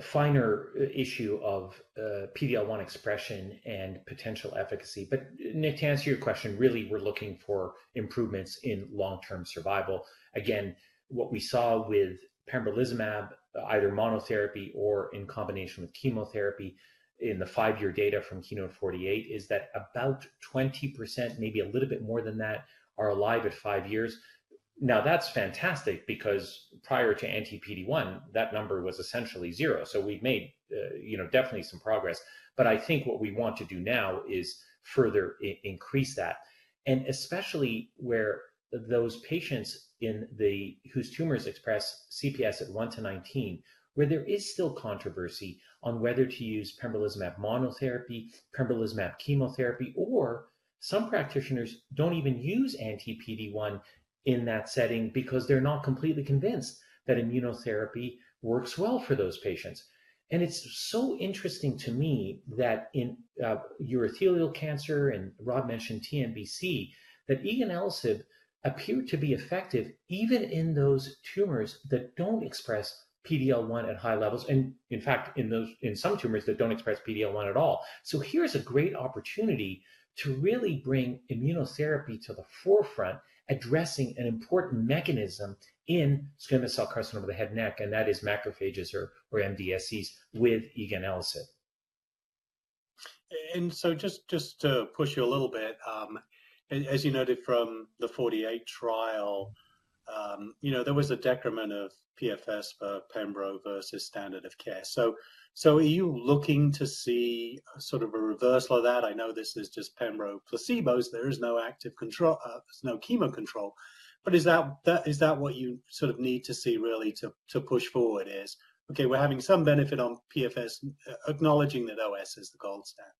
finer issue of PD-L1 expression and potential efficacy. Nick, to answer your question, really, we're looking for improvements in long-term survival. Again, what we saw with pembrolizumab, either monotherapy or in combination with chemotherapy in the five year data from KEYNOTE-048, is that about 20%, maybe a little bit more than that, are alive at five years. That's fantastic, because prior to anti-PD-1, that number was essentially zero. We've made, you know, definitely some progress. I think what we want to do now is further increase that, and especially where those patients in the... Whose tumors express CPS at 1-19, where there is still controversy on whether to use pembrolizumab monotherapy, pembrolizumab chemotherapy, or some practitioners don't even use anti-PD-1 in that setting because they're not completely convinced that immunotherapy works well for those patients. It's so interesting to me that in urothelial cancer, and Rob mentioned TNBC, that eganelisib appeared to be effective even in those tumors that don't express PD-L1 at high levels, and in fact, in some tumors that don't express PD-L1 at all. Here's a great opportunity to really bring immunotherapy to the forefront, addressing an important mechanism in squamous cell carcinoma of the head and neck, and that is macrophages or MDSCs with eganelisib. Just to push you a little bit, as you noted from the 48 trial, you know, there was a decrement of PFS for pembro versus standard of care. Are you looking to see sort of a reversal of that? I know this is just pembro placebos. There is no active control, there's no chemo control. Is that what you sort of need to see really to push forward is, "Okay, we're having some benefit on PFS, acknowledging that OS is the gold standard?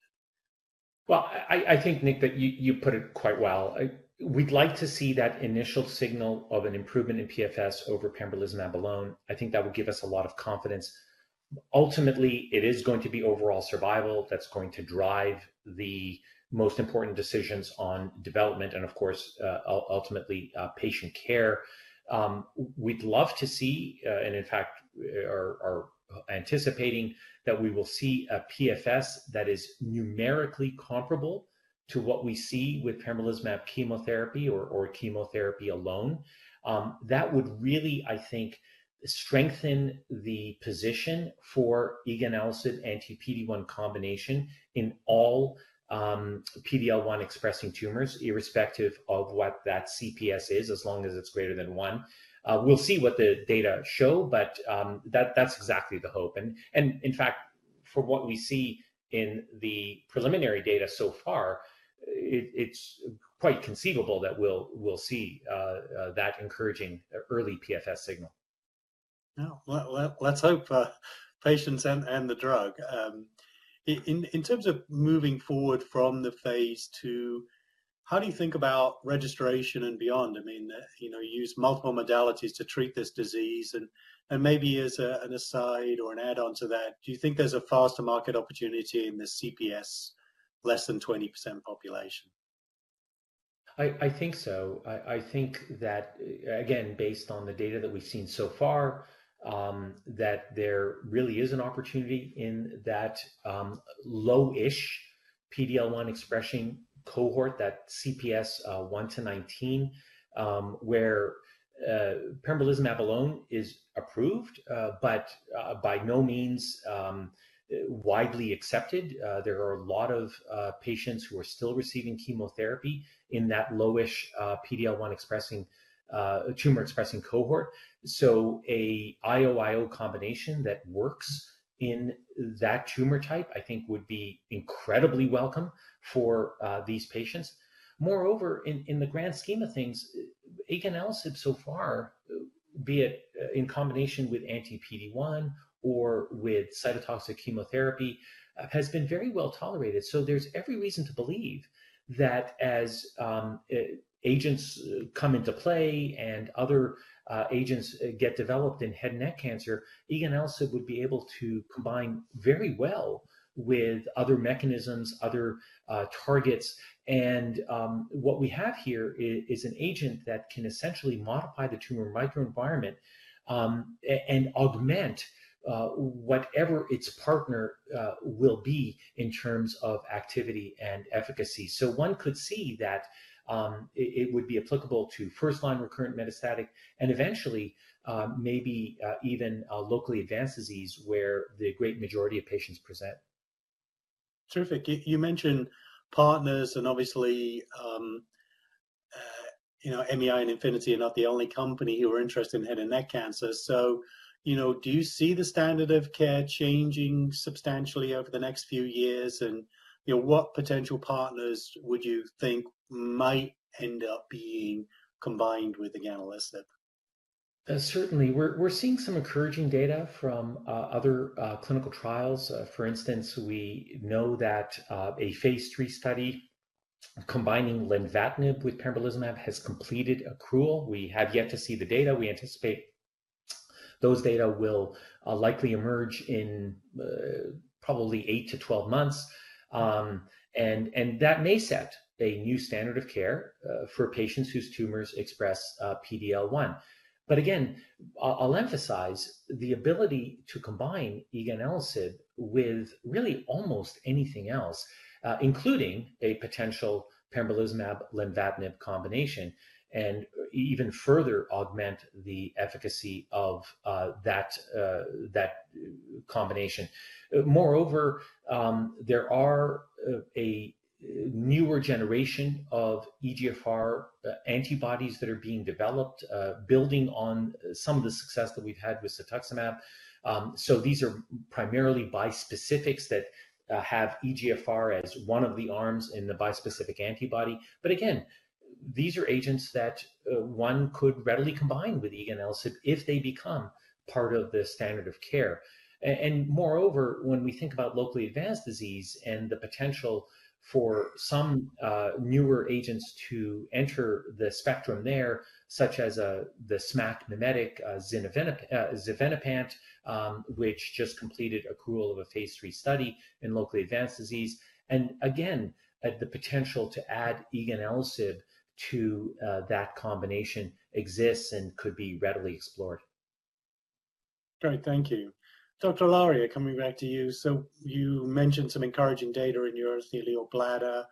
Well, I think, Nick, that you put it quite well. We'd like to see that initial signal of an improvement in PFS over pembrolizumab alone. I think that would give us a lot of confidence. Ultimately, it is going to be overall survival that's going to drive the most important decisions on development and, of course, ultimately, patient care. We'd love to see, and in fact, are anticipating, that we will see a PFS that is numerically comparable to what we see with pembrolizumab chemotherapy or chemotherapy alone. That would really, I think, strengthen the position for eganelisib anti-PD-1 combination in all PD-L1 expressing tumors, irrespective of what that CPS is, as long as it's greater than one. We'll see what the data show, but that's exactly the hope. In fact, from what we see in the preliminary data so far, it's quite conceivable that we'll see that encouraging early PFS signal. Well, let's hope for patients and the drug. In terms of moving forward from the phase II, how do you think about registration and beyond? I mean, you know, you use multiple modalities to treat this disease, and maybe as an aside or an add-on to that, do you think there's a faster market opportunity in the CPS less than 20% population? I think so. I think that, again, based on the data that we've seen so far, that there really is an opportunity in that low-ish PD-L1 expressing cohort, that CPS 1-19, where pembrolizumab alone is approved, but by no means widely accepted. There are a lot of patients who are still receiving chemotherapy in that low-ish PD-L1 expressing tumor-expressing cohort. A IO/IO combination that works in that tumor type, I think, would be incredibly welcome for these patients. Moreover, in the grand scheme of things, eganelisib so far, be it in combination with anti-PD-1 or with cytotoxic chemotherapy, has been very well tolerated. There's every reason to believe that as agents come into play and other agents get developed in head and neck cancer, eganelisib would be able to combine very well with other mechanisms, other targets. What we have here is an agent that can essentially modify the tumor microenvironment, and augment whatever its partner will be in terms of activity and efficacy. One could see that it would be applicable to first-line recurrent metastatic and eventually, maybe even a locally advanced disease where the great majority of patients present. Terrific. You mentioned partners and obviously, you know, MEI and Infinity are not the only company who are interested in head and neck cancer. You know, do you see the standard of care changing substantially over the next few years? You know, what potential partners would you think might end up being combined with eganelisib? Certainly. We're seeing some encouraging data from other clinical trials. For instance, we know that a phase III study combining lenvatinib with pembrolizumab has completed accrual. We have yet to see the data. We anticipate those data will likely emerge in probably eight to 12 months. That may set a new standard of care for patients whose tumors express PD-L1. Again, I'll emphasize the ability to combine eganelisib with really almost anything else, including a potential pembrolizumab/lenvatinib combination, and even further augment the efficacy of that combination. There are a newer generation of EGFR antibodies that are being developed, building on some of the success that we've had with cetuximab. These are primarily bispecifics that have EGFR as one of the arms in the bispecific antibody. Again, these are agents that one could readily combine with eganelisib if they become part of the standard of care. Moreover, when we think about locally advanced disease and the potential for some newer agents to enter the spectrum there, such as the SMAC mimetic xevinapant, which just completed accrual of a phase III study in locally advanced disease. Again, the potential to add eganelisib to that combination exists and could be readily explored. Great. Thank you. Dr. Ilaria, coming back to you. You mentioned some encouraging data in urothelial bladder.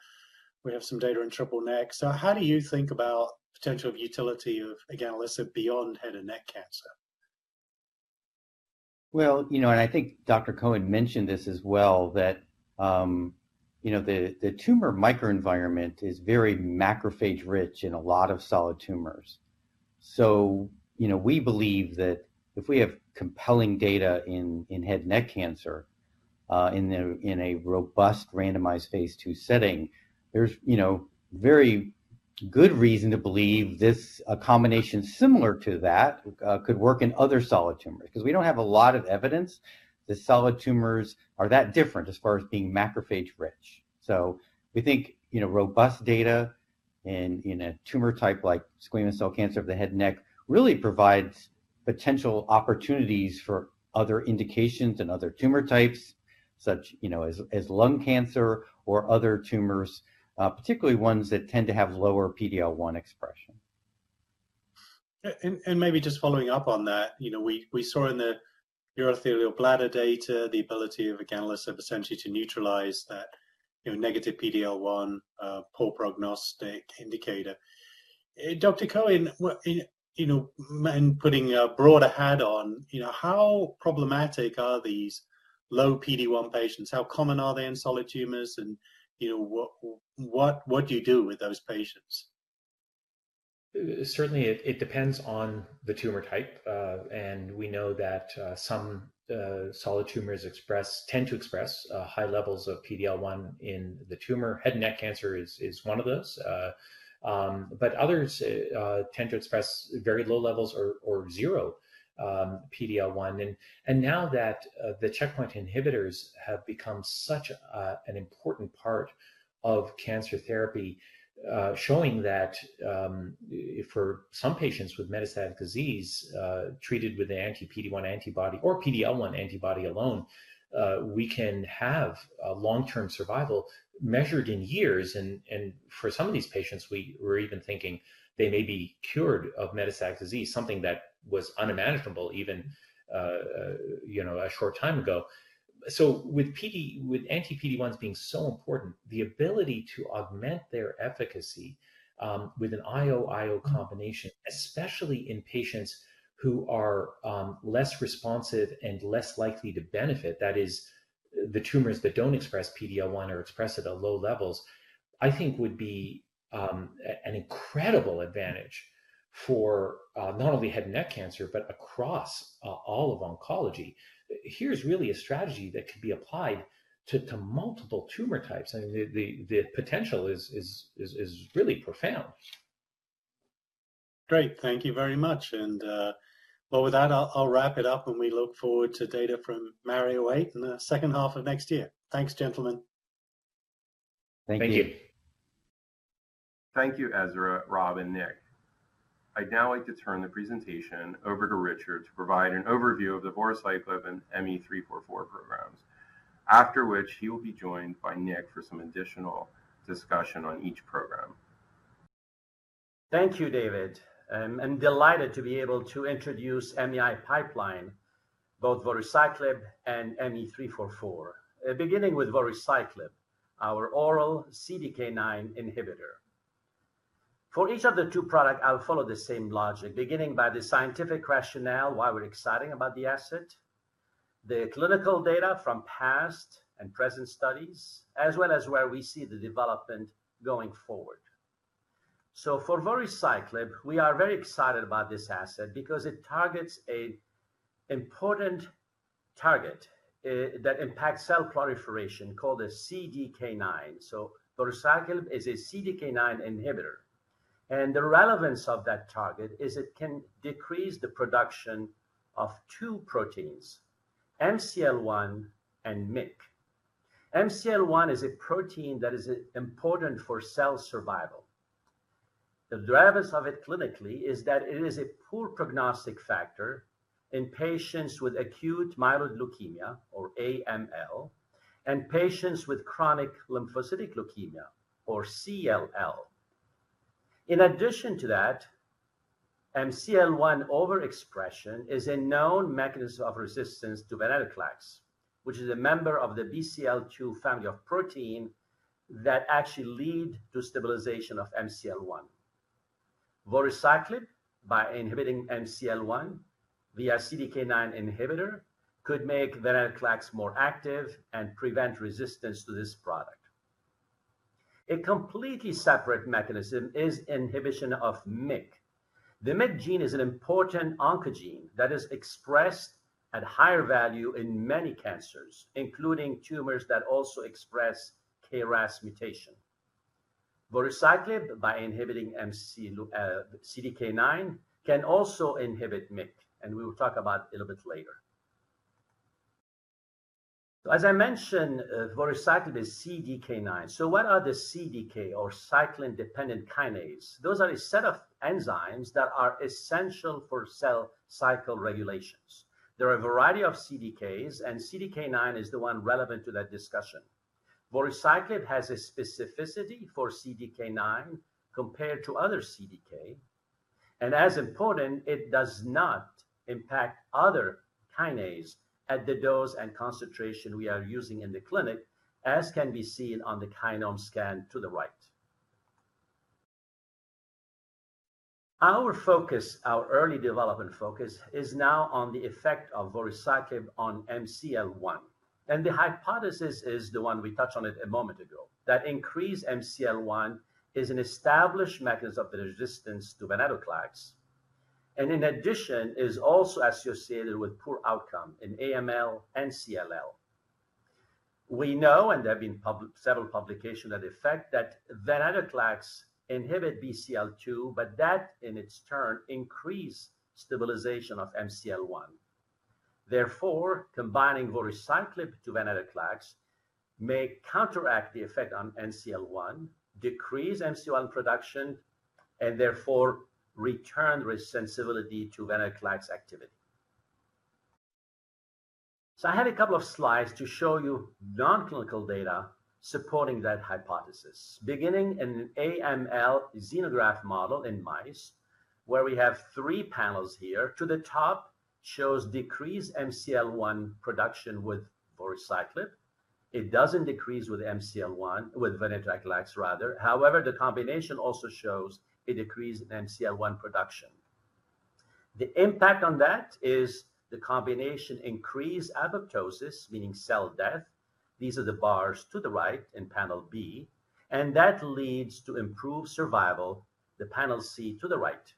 We have some data in TNBC. How do you think about potential of utility of eganelisib beyond head and neck cancer? Well, you know, and I think Dr. Cohen mentioned this as well, that, you know, the tumor microenvironment is very macrophage-rich in a lot of solid tumors. You know, we believe that if we have compelling data in head and neck cancer, in a robust randomized phase II setting, there's, you know, very good reason to believe this, a combination similar to that, could work in other solid tumors. We don't have a lot of evidence that solid tumors are that different as far as being macrophage-rich. We think, you know, robust data in a tumor type like squamous cell cancer of the head and neck, really provides potential opportunities for other indications and other tumor types, such, you know, as lung cancer or other tumors, particularly ones that tend to have lower PD-L1 expression. Maybe just following up on that, you know, we saw in the urothelial bladder data, the ability of a eganelisib essentially to neutralize that, you know, negative PD-L1, poor prognostic indicator. Dr. Cohen, what, you know, and putting a broader hat on, you know, how problematic are these low PD-L1 patients? How common are they in solid tumors, and, you know, what do you do with those patients? Certainly, it depends on the tumor type. We know that some solid tumors tend to express high levels of PD-L1 in the tumor. Head and neck cancer is one of those, others tend to express very low levels or zero PD-L1. Now that the checkpoint inhibitors have become such an important part of cancer therapy, showing that for some patients with metastatic disease, treated with the anti-PD-1 antibody or PD-L1 antibody alone, we can have a long-term survival measured in years. For some of these patients, we were even thinking they may be cured of metastatic disease, something that was unimaginable even, you know, a short time ago. With anti-PD-1s being so important, the ability to augment their efficacy with an IO/IO combination, especially in patients who are less responsive and less likely to benefit, that is the tumors that don't express PD-L1 or express it at low levels, I think would be an incredible advantage for not only head and neck cancer, but across all of oncology. Here's really a strategy that could be applied to multiple tumor types, and the potential is really profound. Great. Thank you very much. Well, with that, I'll wrap it up, and we look forward to data from MARIO-8 in the H2 of next year. Thanks, gentlemen. Thank you. Thank you. Thank you, Ezra, Rob, and Nick. I'd now like to turn the presentation over to Richard to provide an overview of theVoruciclib and ME-344 programs, after which he will be joined by Nick for some additional discussion on each program. Thank you, David. I'm delighted to be able to introduce MEI pipeline, both voruciclib and ME-344. Beginning with voruciclib, our oral CDK9 inhibitor. For each of the two product, I'll follow the same logic, beginning by the scientific rationale, why we're exciting about the asset, the clinical data from past and present studies, as well as where we see the development going forward. For voruciclib, we are very excited about this asset because it targets a important target that impacts cell proliferation called a CDK9. Voruciclib is a CDK9 inhibitor, and the relevance of that target is it can decrease the production of two proteins, MCL-1 and MYC. MCL-1 is a protein that is important for cell survival. The relevance of it clinically is that it is a poor prognostic factor in patients with acute myeloid leukemia, or AML, and patients with chronic lymphocytic leukemia, or CLL. In addition to that, MCL-1 overexpression is a known mechanism of resistance to venetoclax, which is a member of the BCL-2 family of protein that actually lead to stabilization of MCL-1. voruciclib, by inhibiting MCL-1 via CDK9 inhibitor, could make venetoclax more active and prevent resistance to this product. A completely separate mechanism is inhibition of MYC. The MYC gene is an important oncogene that is expressed at higher value in many cancers, including tumors that also express KRAS mutation. voruciclib, by inhibiting CDK9, can also inhibit MYC, and we will talk about it a little bit later. As I mentioned, voruciclib is CDK9. What are the CDK or cyclin-dependent kinase? Those are a set of enzymes that are essential for cell cycle regulations. There are a variety of CDKs, and CDK9 is the one relevant to that discussion. Voruciclib has a specificity for CDK9 compared to other CDK, and as important, it does not impact other kinase at the dose and concentration we are using in the clinic, as can be seen on the kinome scan to the right. Our focus, our early development focus, is now on the effect of voruciclib on MCL-1. The hypothesis is the one we touched on it a moment ago, that increased MCL-1 is an established mechanism of the resistance to venetoclax, and in addition, is also associated with poor outcome in AML and CLL. We know, and there have been several publications that effect, that venetoclax inhibit BCL-2, but that, in its turn, increase stabilization of MCL-1. Combining voruciclib to venetoclax may counteract the effect on MCL-1, decrease MCL-1 production, and therefore return the sensibility to venetoclax activity. I have a couple of slides to show you non-clinical data supporting that hypothesis. Beginning in AML xenograft model in mice, where we have three panels here. To the top shows decreased MCL-1 production with voruciclib. It doesn't decrease with MCL-1, with venetoclax rather. However, the combination also shows a decrease in MCL-1 production. The impact on that is the combination increase apoptosis, meaning cell death. These are the bars to the right in panel B, and that leads to improved survival, the panel C to the right,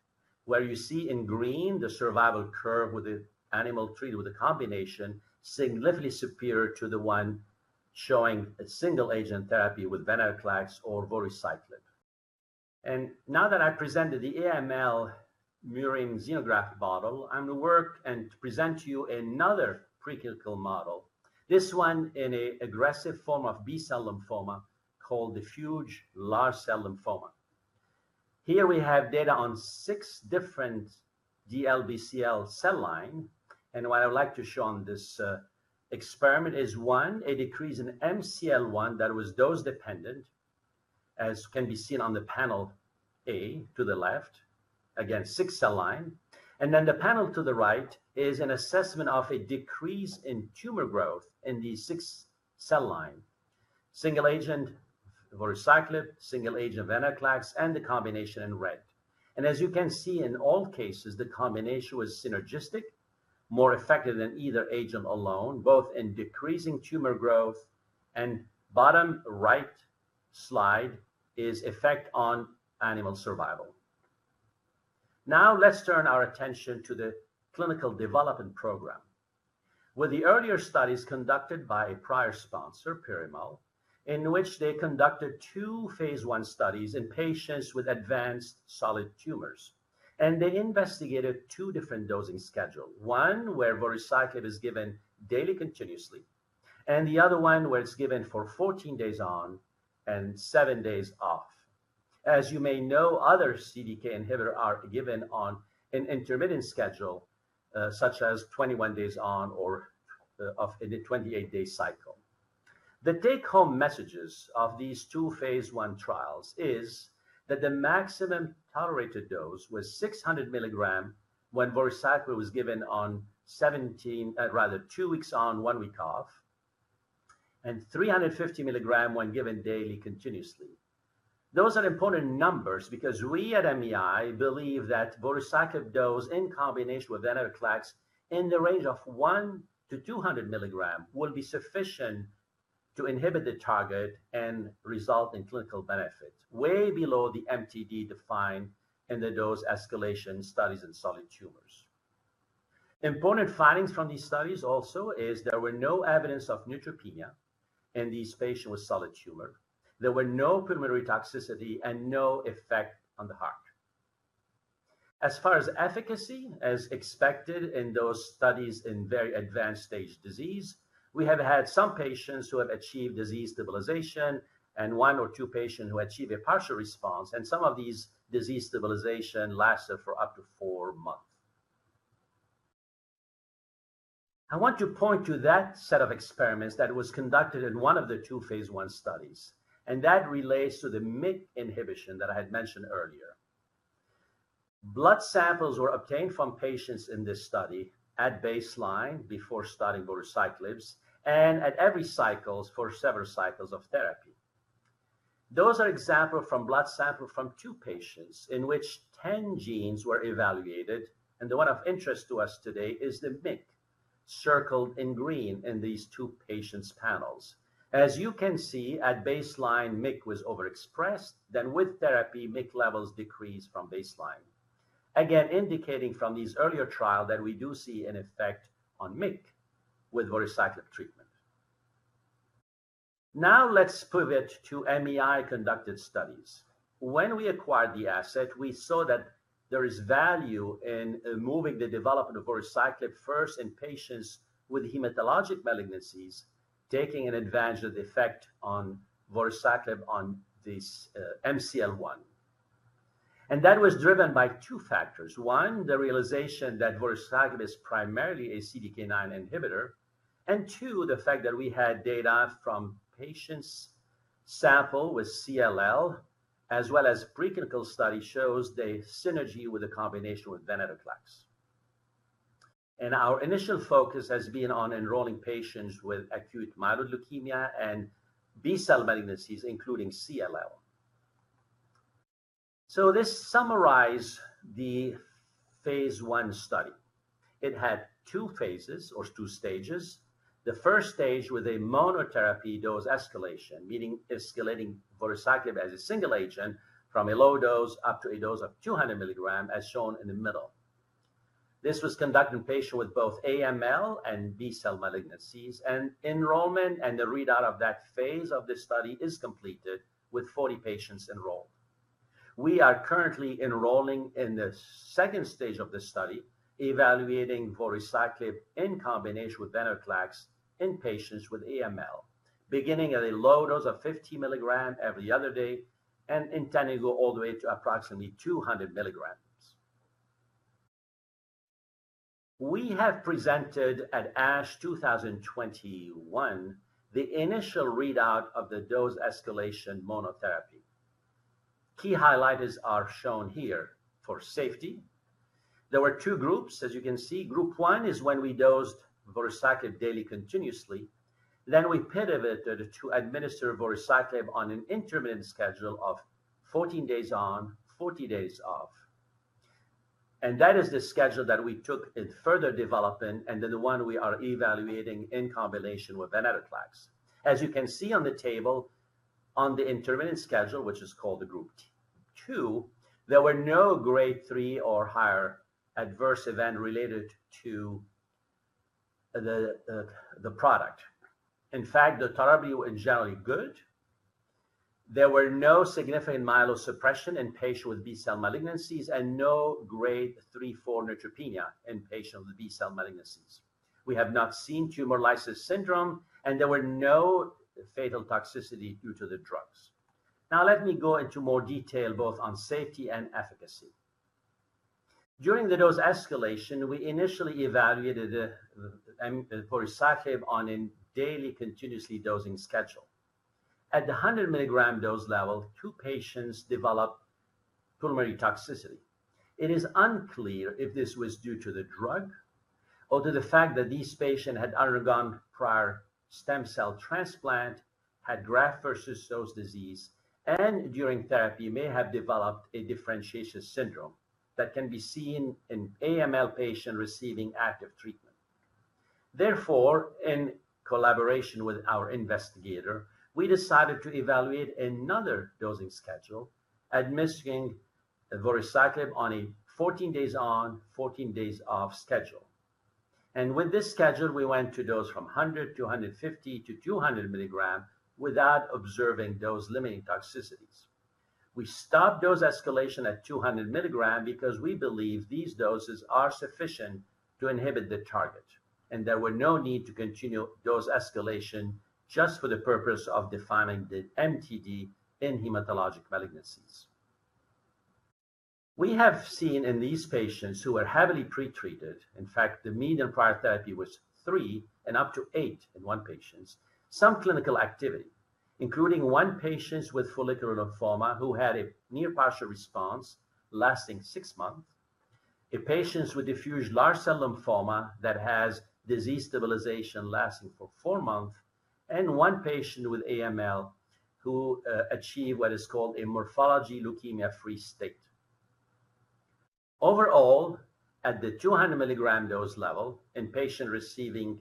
where you see in green the survival curve with the animal treated with a combination significantly superior to the one showing a single agent therapy with venetoclax or voruciclib. Now that I presented the AML murine xenograft model, I'm going to work and present to you another preclinical model, this one in an aggressive form of B-cell lymphoma called diffuse large cell lymphoma. Here we have data on six different DLBCL cell lines, and what I would like to show on this experiment is, one, a decrease in MCL-1 that was dose-dependent, as can be seen on the panel A to the left. Again, six cell lines. Then the panel to the right is an assessment of a decrease in tumor growth in these six cell lines. Single agent Voruciclib, single agent venetoclax, and the combination in red. As you can see, in all cases, the combination was synergistic, more effective than either agent alone, both in decreasing tumor growth and bottom right slide is effect on animal survival. Now, let's turn our attention to the clinical development program. With the earlier studies conducted by a prior sponsor, Piramal, in which they conducted two phase I studies in patients with advanced solid tumors. They investigated two different dosing schedule. One, where voruciclib is given daily, continuously, and the other one, where it's given for 14 days on and seven days off. As you may know, other CDK inhibitor are given on an intermittent schedule, such as 21 days on or off in a 28-day cycle. The take-home messages of these two phase I trials is that the maximum tolerated dose was 600 milligrams when voruciclib was given on, rather, twp weeks on, one week off, and 350 milligrams when given daily, continuously. Those are important numbers because we at MEI believe that Voruciclib dose in combination with venetoclax in the range of one to 200 milligrams will be sufficient to inhibit the target and result in clinical benefit, way below the MTD defined in the dose escalation studies in solid tumors. Important findings from these studies also is there were no evidence of neutropenia in these patients with solid tumor. There were no primary toxicity and no effect on the heart. As far as efficacy, as expected in those studies in very advanced stage disease, we have had some patients who have achieved disease stabilization and one or two patients who achieved a partial response, and some of these disease stabilization lasted for up to four months. I want to point to that set of experiments that was conducted in one of the two Phase I studies. That relates to the MYC inhibition that I had mentioned earlier. Blood samples were obtained from patients in this study at baseline before starting voruciclib. At every cycles for several cycles of therapy. Those are example from blood sample from two patients in which 10 genes were evaluated. The one of interest to us today is the MYC, circled in green in these two patients' panels. As you can see, at baseline, MYC was overexpressed. With therapy, MYC levels decreased from baseline. Indicating from these earlier trial that we do see an effect on MYC with voruciclib treatment. Let's pivot to MEI-conducted studies. When we acquired the asset, we saw that there is value in moving the development of voruciclib first in patients with hematologic malignancies, taking an advantage of the effect on voruciclib on this MCL-1. That was driven by two factors, one, the realization that voruciclib is primarily a CDK9 inhibitor, and two, the fact that we had data from patients' sample with CLL, as well as preclinical study shows the synergy with a combination with venetoclax. Our initial focus has been on enrolling patients with acute myeloid leukemia and B-cell malignancies, including CLL. This summarize the phase I study. It had two phases or two stages. The first stage with a monotherapy dose escalation, meaning escalating voruciclib as a single agent from a low dose up to a dose of 200 milligram, as shown in the middle. This was conducted in patients with both AML and B-cell malignancies, enrollment and the readout of that phase of the study is completed with 40 patients enrolled. We are currently enrolling in the second stage of this study, evaluating voruciclib in combination with venetoclax in patients with AML, beginning at a low dose of 50 milligram every other day and intending to go all the way to approximately 200 milligrams. We have presented at ASH 2021, the initial readout of the dose escalation monotherapy. Key highlighters are shown here for safety. There were two groups, as you can see. Group one is when we dosed voruciclib daily continuously, we pivoted to administer voruciclib on an intermittent schedule of 14 days on, 40 days off. That is the schedule that we took in further development, the one we are evaluating in combination with venetoclax. As you can see on the table, on the intermittent schedule, which is called the group two, there were no grade III or higher adverse event related to the product. In fact, the tolerability was generally good. There were no significant myelosuppression in patients with B-cell malignancies and no grade III/IV neutropenia in patients with B-cell malignancies. We have not seen tumor lysis syndrome, and there were no fatal toxicity due to the drugs. Let me go into more detail, both on safety and efficacy. During the dose escalation, we initially evaluated voruciclib on a daily continuously dosing schedule. At the 100-milligram dose level, two patients developed pulmonary toxicity. It is unclear if this was due to the drug or to the fact that these patients had undergone prior stem cell transplant, had graft-versus-host disease, and during therapy may have developed a differentiation syndrome that can be seen in AML patients receiving active treatment. In collaboration with our investigator, we decided to evaluate another dosing schedule, administering voruciclib on a 14 days on, 14 days off schedule. With this schedule, we went to dose from 100 to 150 to 200 mg without observing dose-limiting toxicities. We stopped dose escalation at 200 mg because we believe these doses are sufficient to inhibit the target, and there were no need to continue dose escalation just for the purpose of defining the MTD in hematologic malignancies. We have seen in these patients who were heavily pretreated, in fact, the median prior therapy was three and up to eight in one patient, some clinical activity, including one patient with follicular lymphoma who had a near partial response lasting six months, a patient with diffuse large B-cell lymphoma that has disease stabilization lasting for four months, and one patient with AML who achieved what is called a morphologic leukemia-free state. Overall, at the 200-milligram dose level in patients receiving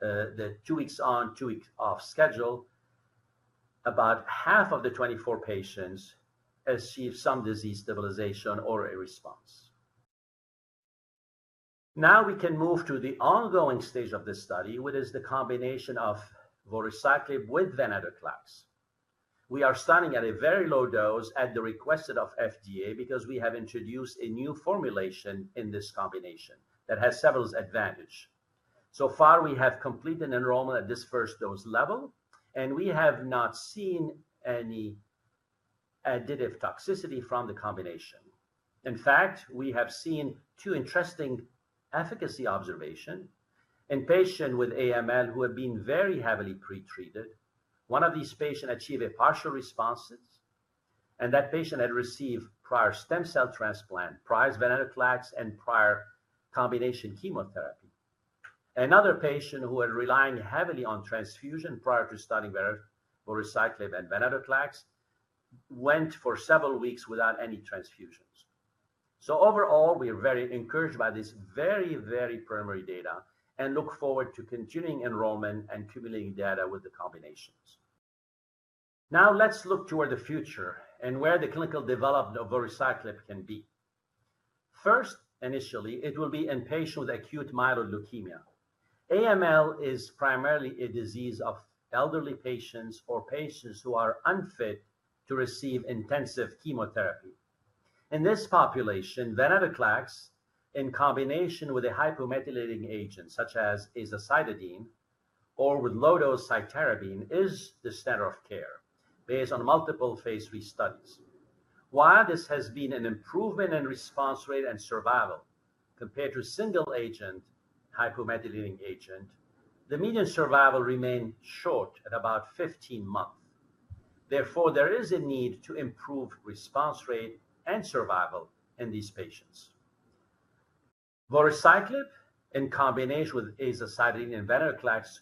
the two weeks on, two weeks off schedule, about half of the 24 patients achieved some disease stabilization or a response. We can move to the ongoing stage of this study, which is the combination of voruciclib with venetoclax. We are starting at a very low dose at the requested of FDA because we have introduced a new formulation in this combination that has several advantage. Far, we have completed enrollment at this first dose level, and we have not seen any additive toxicity from the combination. In fact, we have seen two interesting efficacy observation in patients with AML who have been very heavily pretreated. One of these patients achieved a partial responses, and that patient had received prior stem cell transplant, prior venetoclax, and prior combination chemotherapy. Another patient who had relying heavily on transfusion prior to starting voruciclib and venetoclax, went for several weeks without any transfusions. Overall, we are very encouraged by this very primary data and look forward to continuing enrollment and accumulating data with the combinations. Now, let's look toward the future and where the clinical development of voruciclib can be. First, initially, it will be in patients with acute myeloid leukemia. AML is primarily a disease of elderly patients or patients who are unfit to receive intensive chemotherapy. In this population, venetoclax, in combination with a hypomethylating agent, such as azacitidine or with low-dose cytarabine, is the standard of care based on multiple phase III studies. While this has been an improvement in response rate and survival compared to a single-agent hypomethylating agent, the median survival remained short at about 15 months. Therefore, there is a need to improve response rate and survival in these patients. Voruciclib in combination with azacitidine and venetoclax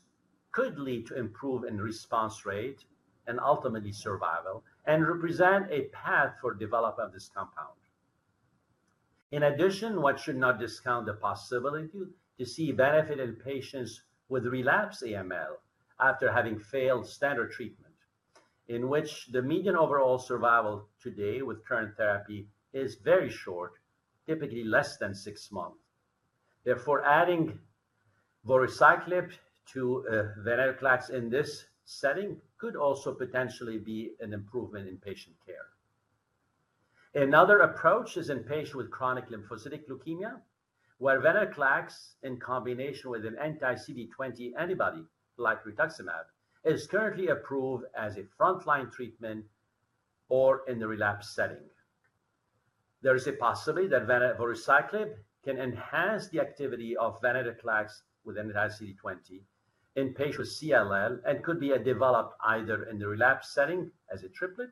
could lead to improve in response rate and ultimately survival, and represent a path for development of this compound. In addition, one should not discount the possibility to see benefit in patients with relapsed AML after having failed standard treatment, in which the median overall survival today with current therapy is very short, typically less than 6 months. Therefore, adding voruciclib to venetoclax in this setting could also potentially be an improvement in patient care. Another approach is in patients with chronic lymphocytic leukemia, where venetoclax, in combination with an anti-CD20 antibody, like rituximab, is currently approved as a frontline treatment or in the relapsed setting. There is a possibility that voruciclib can enhance the activity of venetoclax with anti-CD20 in patients with CLL and could be developed either in the relapsed setting as a triplet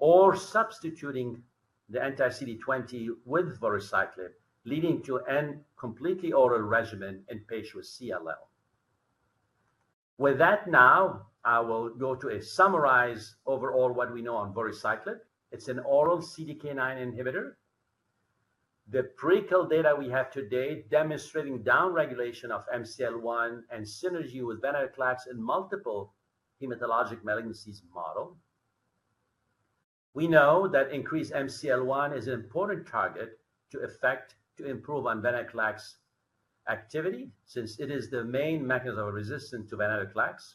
or substituting the anti-CD20 with voruciclib, leading to a completely oral regimen in patients with CLL. With that now, I will go to summarize overall what we know on voruciclib. It's an oral CDK9 inhibitor. The pre-clinical data we have today demonstrating downregulation of MCL-1 and synergy with venetoclax in multiple hematologic malignancies model. We know that increased MCL-1 is an important target to effect to improve on venetoclax activity since it is the main mechanism of resistance to venetoclax.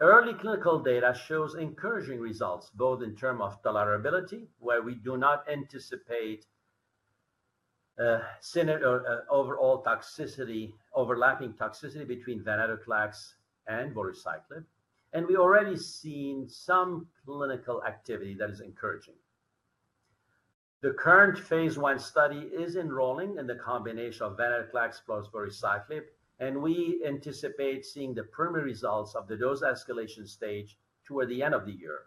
Early clinical data shows encouraging results, both in terms of tolerability, where we do not anticipate overall toxicity, overlapping toxicity between venetoclax and voruciclib, and we already seen some clinical activity that is encouraging. The current phase I study is enrolling in the combination of venetoclax plus voruciclib, and we anticipate seeing the primary results of the dose escalation stage toward the end of the year.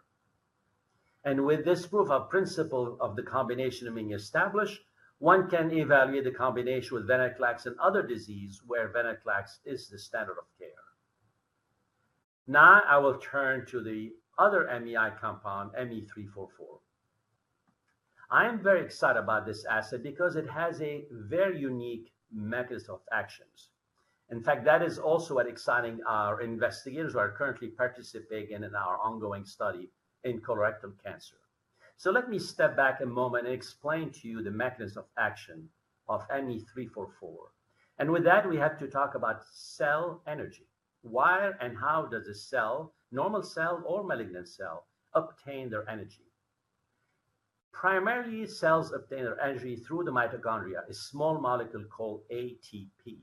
With this proof of principle of the combination being established, one can evaluate the combination with venetoclax in other disease where venetoclax is the standard of care. Now, I will turn to the other MEI compound, ME-344. I am very excited about this asset because it has a very unique mechanism of actions. In fact, that is also what exciting our investigators who are currently participating in our ongoing study in colorectal cancer. Let me step back a moment and explain to you the mechanism of action of ME-344. With that, we have to talk about cell energy. Why and how does a cell, normal cell or malignant cell, obtain their energy? Primarily, cells obtain their energy through the mitochondria, a small molecule called ATP.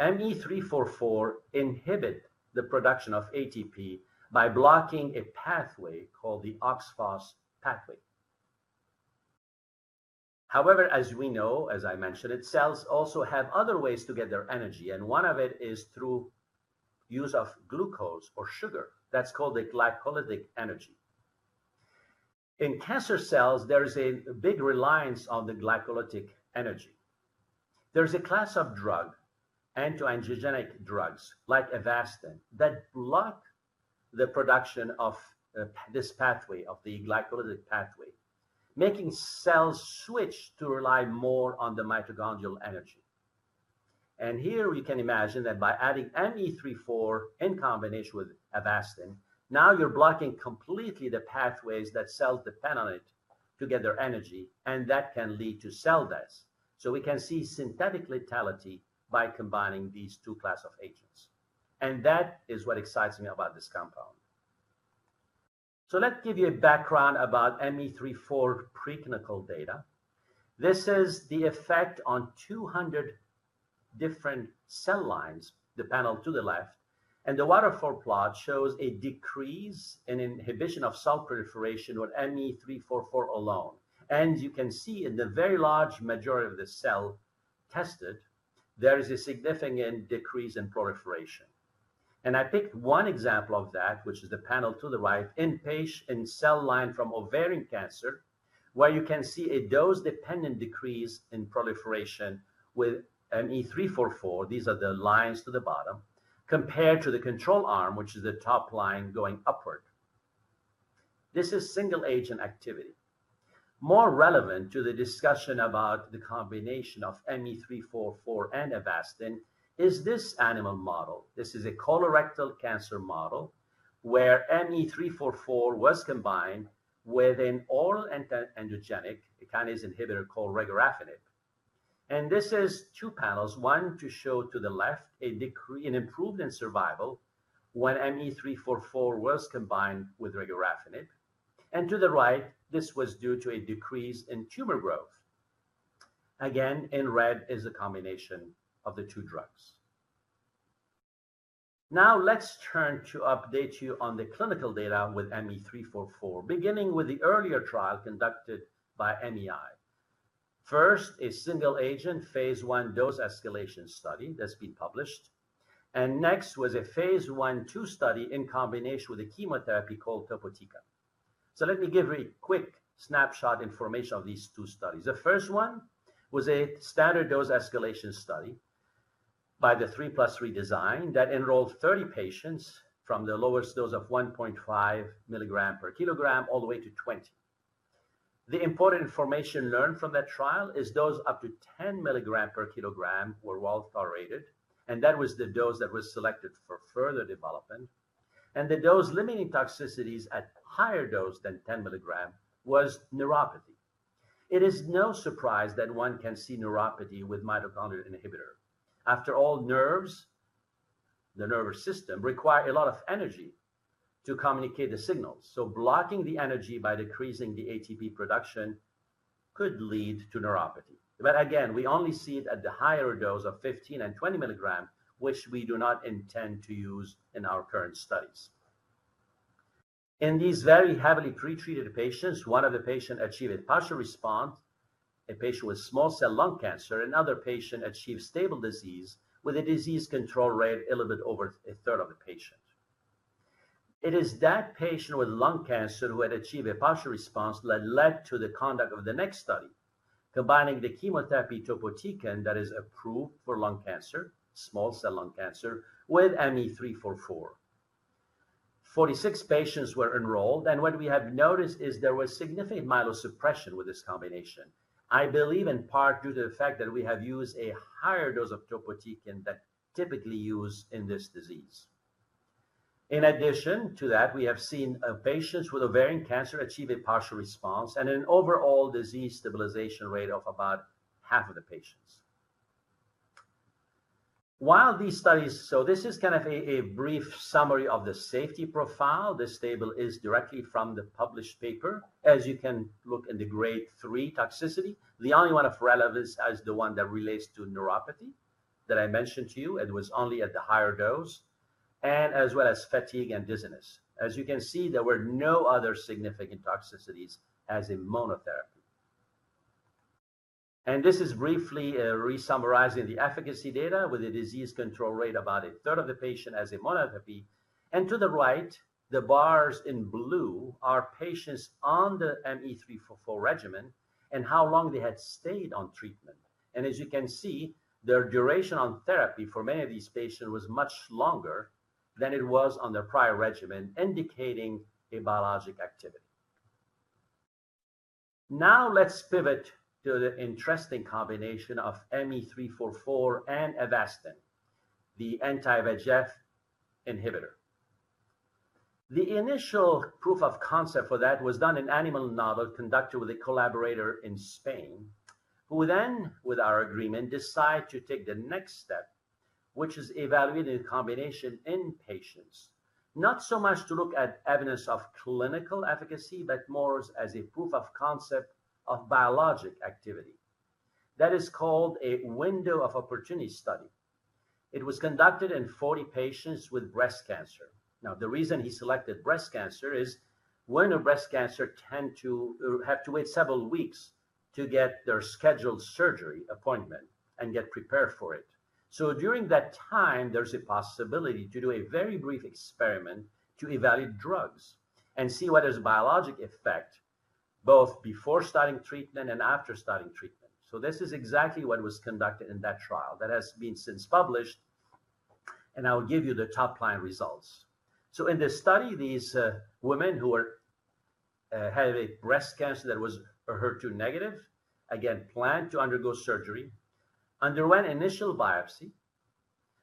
ME-344 inhibit the production of ATP by blocking a pathway called the OXPHOS pathway. However, as we know, as I mentioned it, cells also have other ways to get their energy, and one of it is through use of glucose or sugar. That's called the glycolytic energy. In cancer cells, there is a big reliance on the glycolytic energy. There's a class of drug, anti-angiogenic drugs like Avastin, that block the production of this pathway, of the glycolytic pathway, making cells switch to rely more on the mitochondrial energy. And here we can imagine that by adding ME-344 in combination with Avastin, now you're blocking completely the pathways that cells depend on it to get their energy, and that can lead to cell death. We can see synthetic lethality by combining these two class of agents, and that is what excites me about this compound. Let's give you a background about ME-344 preclinical data. This is the effect on 200 different cell lines, the panel to the left, and the waterfall plot shows a decrease in inhibition of cell proliferation with ME-344 alone. You can see in the very large majority of the cell tested, there is a significant decrease in proliferation. I picked one example of that, which is the panel to the right, in cell line from ovarian cancer, where you can see a dose-dependent decrease in proliferation with ME-344, these are the lines to the bottom, compared to the control arm, which is the top line going upward. This is single agent activity. More relevant to the discussion about the combination of ME-344 and Avastin is this animal model. This is a colorectal cancer model where ME-344 was combined with an oral anti-angiogenic, a kinase inhibitor called regorafenib. This is two panels, one to show to the left an improvement in survival when ME-344 was combined with regorafenib, and to the right, this was due to a decrease in tumor growth. Again, in red is a combination of the two drugs. Let's turn to update you on the clinical data with ME-344, beginning with the earlier trial conducted by MEI. First, a single agent, phase I dose escalation study that's been published, and next was a phase I/II study in combination with a chemotherapy called Topotecan. Let me give a quick snapshot information of these two studies. The first one was a standard dose escalation study by the 3+3 design that enrolled 30 patients from the lowest dose of 1.5 mg/kg all the way to 20. The important information learned from that trial is dose up to 10 mg/kg were well tolerated, and that was the dose that was selected for further development. The dose limiting toxicities at higher dose than 10 mg was neuropathy. It is no surprise that one can see neuropathy with mitochondrial inhibitor. Nerves, the nervous system, require a lot of energy to communicate the signals, blocking the energy by decreasing the ATP production could lead to neuropathy. Again, we only see it at the higher dose of 15 and 20 mg, which we do not intend to use in our current studies. In these very heavily pre-treated patients, one of the patient achieved a partial response, a patient with small cell lung cancer, another patient achieved stable disease with a disease control rate a little bit over a third of the patient. It is that patient with lung cancer who had achieved a partial response that led to the conduct of the next study, combining the chemotherapy topotecan that is approved for lung cancer, small cell lung cancer, with ME-344. 46 patients were enrolled, and what we have noticed is there was significant myelosuppression with this combination. I believe in part due to the fact that we have used a higher dose of topotecan than typically used in this disease. In addition to that, we have seen patients with ovarian cancer achieve a partial response and an overall disease stabilization rate of about half of the patients. This is kind of a brief summary of the safety profile. This table is directly from the published paper. As you can look in the grade III toxicity, the only one of relevance is the one that relates to neuropathy that I mentioned to you, and it was only at the higher dose, and as well as fatigue and dizziness. As you can see, there were no other significant toxicities as a monotherapy. This is briefly re-summarizing the efficacy data with the disease control rate, about a third of the patient as a monotherapy. To the right, the bars in blue are patients on the ME-344 regimen and how long they had stayed on treatment. As you can see, their duration on therapy for many of these patients was much longer than it was on their prior regimen, indicating a biologic activity. Let's pivot to the interesting combination of ME-344 and Avastin, the anti-VEGF inhibitor. The initial proof of concept for that was done in animal novel, conducted with a collaborator in Spain, who then, with our agreement, decided to take the next step, which is evaluating the combination in patients. Not so much to look at evidence of clinical efficacy, but more as a proof of concept of biologic activity. That is called a window of opportunity study. It was conducted in 40 patients with breast cancer. The reason he selected breast cancer is women with breast cancer tend to have to wait several weeks to get their scheduled surgery appointment and get prepared for it. During that time, there's a possibility to do a very brief experiment to evaluate drugs and see whether there's a biologic effect, both before starting treatment and after starting treatment. This is exactly what was conducted in that trial. That has been since published, and I will give you the top-line results. In this study, these women who are have a breast cancer that was HER2 negative, again, planned to undergo surgery, underwent initial biopsy,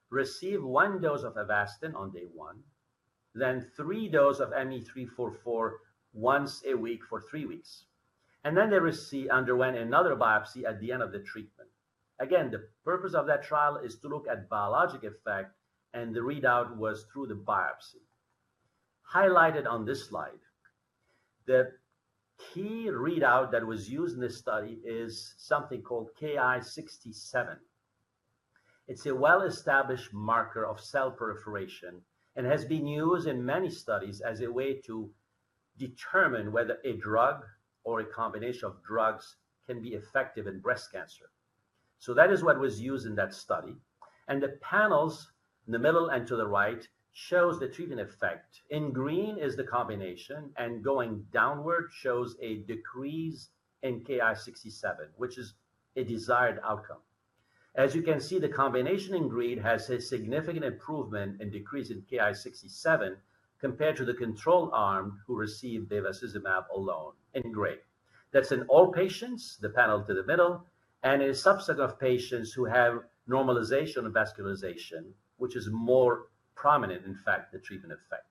received 1 dose of Avastin on day one, then three doses of ME-344 once a week for three weeks, and then they underwent another biopsy at the end of the treatment. The purpose of that trial is to look at biologic effect, and the readout was through the biopsy. Highlighted on this slide, the key readout that was used in this study is something called Ki-67. It's a well-established marker of cell proliferation and has been used in many studies as a way to determine whether a drug or a combination of drugs can be effective in breast cancer. That is what was used in that study. The panels in the middle and to the right shows the treatment effect. In green is the combination, and going downward shows a decrease in Ki-67, which is a desired outcome. As you can see, the combination in green has a significant improvement and decrease in Ki-67 compared to the control arm, who received bevacizumab alone in gray. That's in all patients, the panel to the middle, and in a subset of patients who have normalization of vascularization, which is more prominent, in fact, the treatment effect.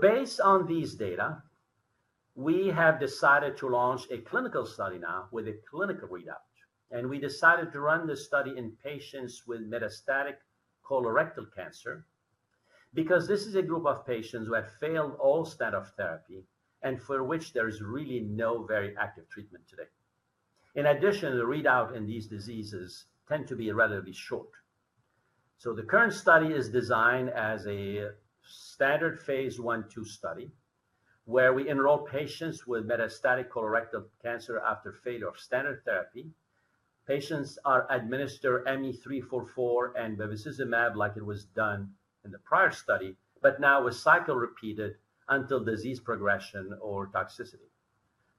Based on these data, we have decided to launch a clinical study now with a clinical readout, and we decided to run this study in patients with metastatic colorectal cancer, because this is a group of patients who have failed all standard therapy and for which there is really no very active treatment today. In addition, the readout in these diseases tend to be relatively short. The current study is designed as a standard phase I/II study, where we enroll patients with metastatic colorectal cancer after failure of standard therapy. Patients are administered ME-344 and bevacizumab like it was done in the prior study, but now with cycle repeated until disease progression or toxicity.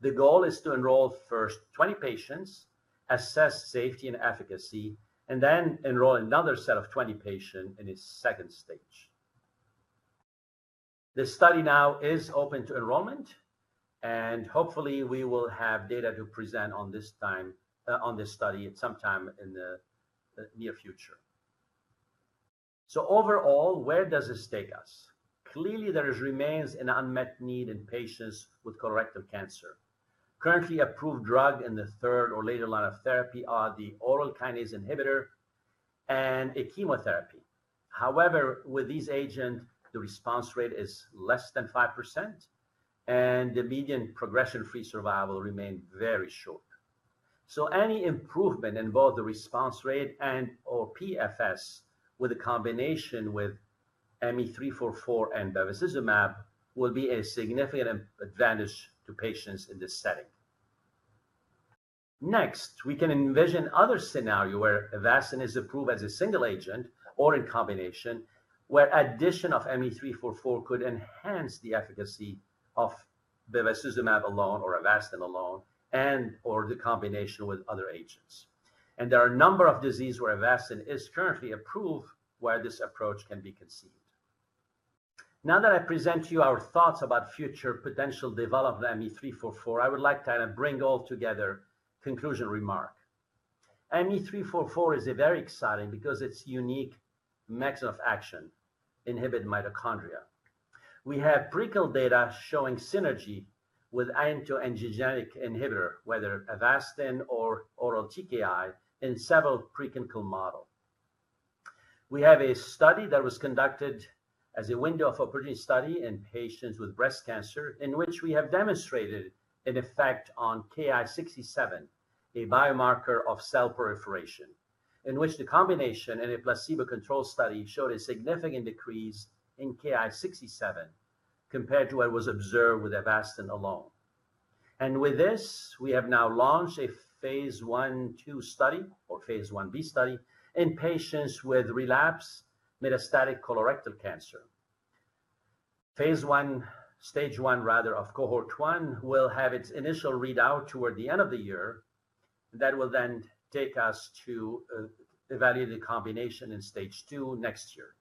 The goal is to enroll first 20 patients, assess safety and efficacy, and then enroll another set of 20 patients in its second stage. The study now is open to enrollment, and hopefully, we will have data to present on this time, on this study at some time in the near future. Overall, where does this take us? Clearly, there remains an unmet need in patients with colorectal cancer. Currently approved drug in the third or later line of therapy are the oral kinase inhibitor and a chemotherapy. However, with this agent, the response rate is less than 5%, and the median progression-free survival remain very short. Any improvement in both the response rate and/or PFS with a combination with ME-344 and bevacizumab will be a significant advantage to patients in this setting. Next, we can envision other scenario where Avastin is approved as a single agent or in combination, where addition of ME-344 could enhance the efficacy of bevacizumab alone or Avastin alone, and or the combination with other agents. There are a number of disease where Avastin is currently approved, where this approach can be conceived. Now that I present to you our thoughts about future potential development of ME-344, I would like to kind of bring all together conclusion remark. ME-344 is a very exciting because it's unique mechanism of action, inhibit mitochondria. We have pre-kill data showing synergy with anti-angiogenic inhibitor, whether Avastin or oral TKI, in several preclinical model. We have a study that was conducted as a window of opportunity study in patients with breast cancer, in which we have demonstrated an effect on Ki-67, a biomarker of cell proliferation, in which the combination in a placebo-controlled study showed a significant decrease in Ki-67 compared to what was observed with Avastin alone. With this, we have now launched a phase I/II study, or phase Ib study, in patients with relapsed metastatic colorectal cancer. phase I, stage I, rather, of cohort I, will have its initial readout toward the end of the year. That will then take us to evaluate the combination in stage II next year.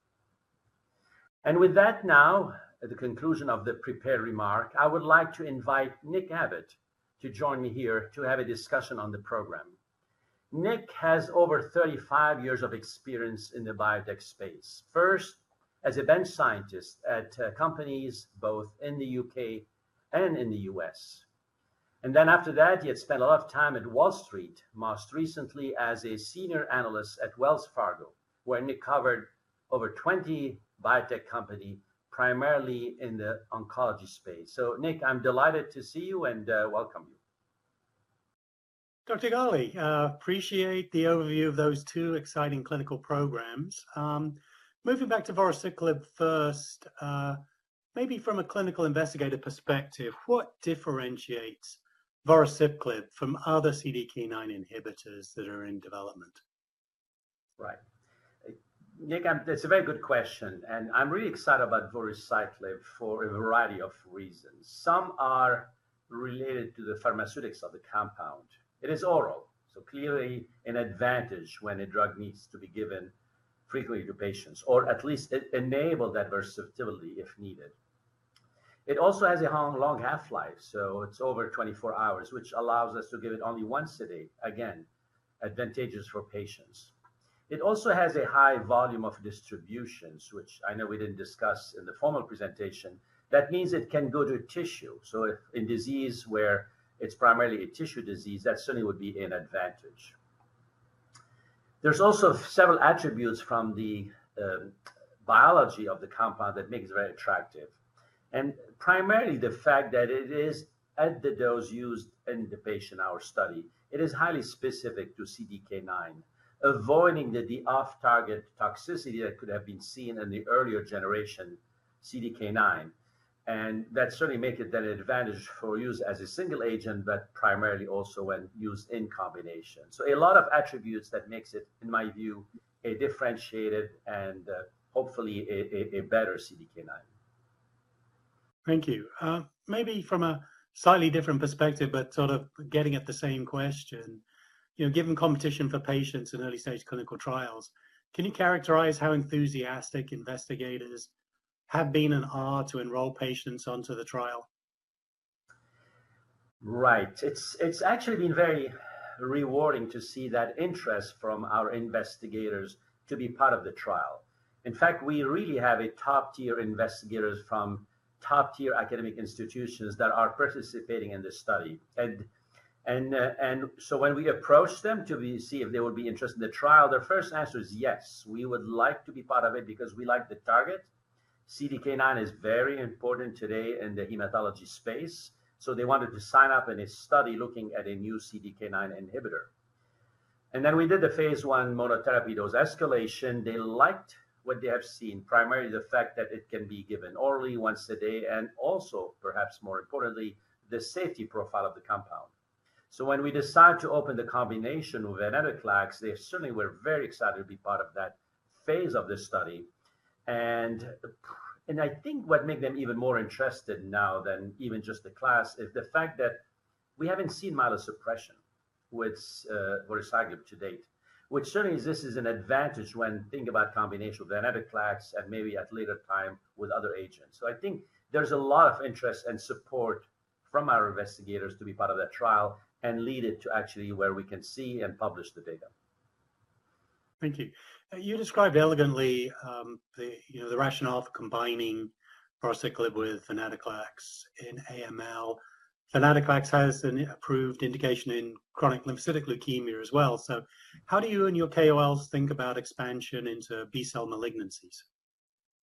With that now, at the conclusion of the prepared remark, I would like to invite Nick Abbott to join me here to have a discussion on the program. Nick has over 35 years of experience in the biotech space. First, as a bench scientist at companies both in the UK and in the US Then after that, he had spent a lot of time at Wall Street, most recently as a senior analyst at Wells Fargo, where Nick covered over 20 biotech company, primarily in the oncology space. Nick, I'm delighted to see you and welcome you. Dr. Ghalie, appreciate the overview of those two exciting clinical programs. Moving back to voruciclib first, maybe from a clinical investigator perspective, what differentiates voruciclib from other CDK9 inhibitors that are in development? Right. Nick, that's a very good question, I'm really excited about voruciclib for a variety of reasons. Some are related to the pharmaceutics of the compound. It is oral, clearly an advantage when a drug needs to be given frequently to patients, or at least it enable that versatility if needed. It also has a long, long half-life, it's over 24 hours, which allows us to give it only once a day. Again, advantageous for patients. It also has a high volume of distributions, which I know we didn't discuss in the formal presentation. That means it can go to tissue. If in disease where it's primarily a tissue disease, that certainly would be an advantage. There's also several attributes from the biology of the compound that make it very attractive, and primarily the fact that it is at the dose used in the patient, our study, it is highly specific to CDK9, avoiding the off-target toxicity that could have been seen in the earlier generation CDK9. That certainly make it an advantage for use as a single agent, but primarily also when used in combination. A lot of attributes that makes it, in my view, a differentiated and hopefully a better CDK9. Thank you. Maybe from a slightly different perspective, but sort of getting at the same question, you know, given competition for patients in early-stage clinical trials, can you characterize how enthusiastic investigators have been and are to enroll patients onto the trial? Right. It's actually been very rewarding to see that interest from our investigators to be part of the trial. In fact, we really have a top-tier investigators from top-tier academic institutions that are participating in this study. When we approach them to see if they would be interested in the trial, their first answer is, "Yes, we would like to be part of it because we like the target." CDK9 is very important today in the hematology space, they wanted to sign up in a study looking at a new CDK9 inhibitor. We did the phase I monotherapy dose escalation. They liked what they have seen, primarily the fact that it can be given orally once a day, and also, perhaps more importantly, the safety profile of the compound. When we decide to open the combination with venetoclax, they certainly were very excited to be part of that phase of this study. I think what made them even more interested now than even just the class, is the fact that we haven't seen myelosuppression with voruciclib to date, which certainly this is an advantage when thinking about combination venetoclax and maybe at later time with other agents. I think there's a lot of interest and support from our investigators to be part of that trial and lead it to actually where we can see and publish the data. Thank you. You described elegantly, you know, the rationale for combining voruciclib with venetoclax in AML. Venetoclax has an approved indication in chronic lymphocytic leukemia as well. How do you and your KOLs think about expansion into B-cell malignancies?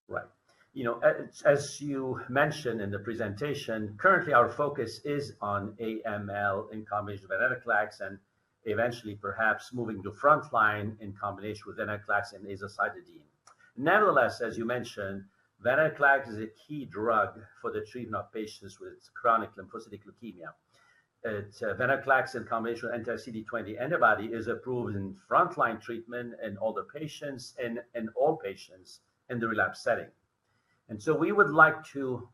Right. You know, as you mentioned in the presentation, currently our focus is on AML in combination with venetoclax and eventually perhaps moving to frontline in combination with venetoclax and azacitidine. Nevertheless, as you mentioned, venetoclax is a key drug for the treatment of patients with chronic lymphocytic leukemia. venetoclax in combination with anti-CD20 antibody is approved in frontline treatment in all the patients and all patients in the relapse setting. we would like to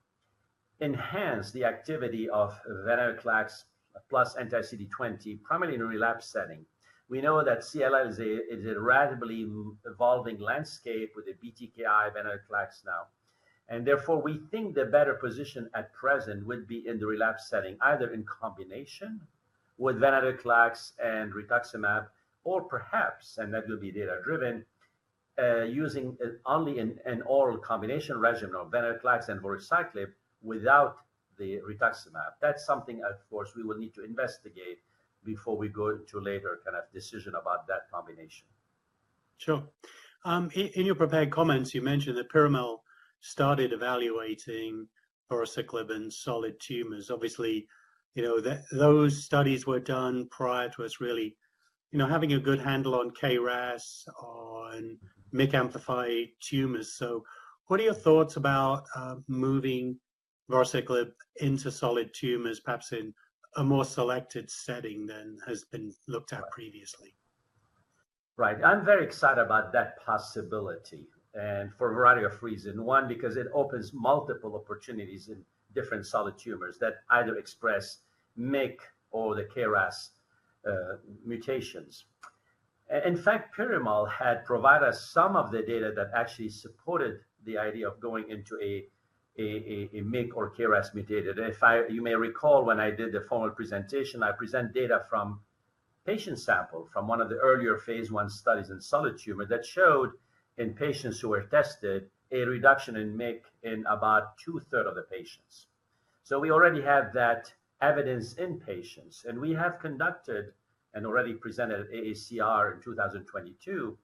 enhance the activity of venetoclax plus anti-CD20, primarily in a relapse setting. We know that CLL is a rapidly evolving landscape with the BTKi venetoclax now. Therefore, we think the better position at present would be in the relapse setting, either in combination with venetoclax and rituximab, or perhaps, and that will be data-driven, using only an oral combination regimen of venetoclax and voruciclib without the rituximab. That's something, of course, we will need to investigate before we go into later kind of decision about that combination. Sure. In your prepared comments, you mentioned that Piramal started evaluating voruciclib in solid tumors. Obviously, you know, that those studies were done prior to us really, you know, having a good handle on KRAS, on MYC amplify tumors. What are your thoughts about moving voruciclib into solid tumors, perhaps in a more selected setting than has been looked at previously? Right. I'm very excited about that possibility. For a variety of reasons. One, because it opens multiple opportunities in different solid tumors that either express MYC or the KRAS mutations. In fact, Piramal had provided us some of the data that actually supported the idea of going into a MYC or KRAS mutated. You may recall, when I did the formal presentation, I present data from patient sample from one of the earlier phase I studies in solid tumor that showed, in patients who were tested, a reduction in MYC in about two-thirds of the patients. We already have that evidence in patients, and we have conducted and already presented at AACR in 2022,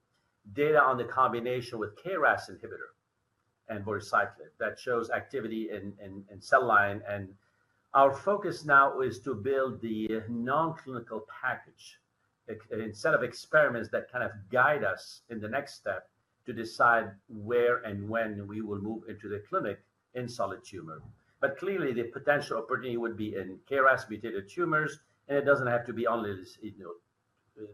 data on the combination with KRAS inhibitor and voruciclib, that shows activity in cell line. Our focus now is to build the non-clinical package, a set of experiments that kind of guide us in the next step to decide where and when we will move into the clinic in solid tumor. Clearly, the potential opportunity would be in KRAS-mutated tumors, and it doesn't have to be only this, you know,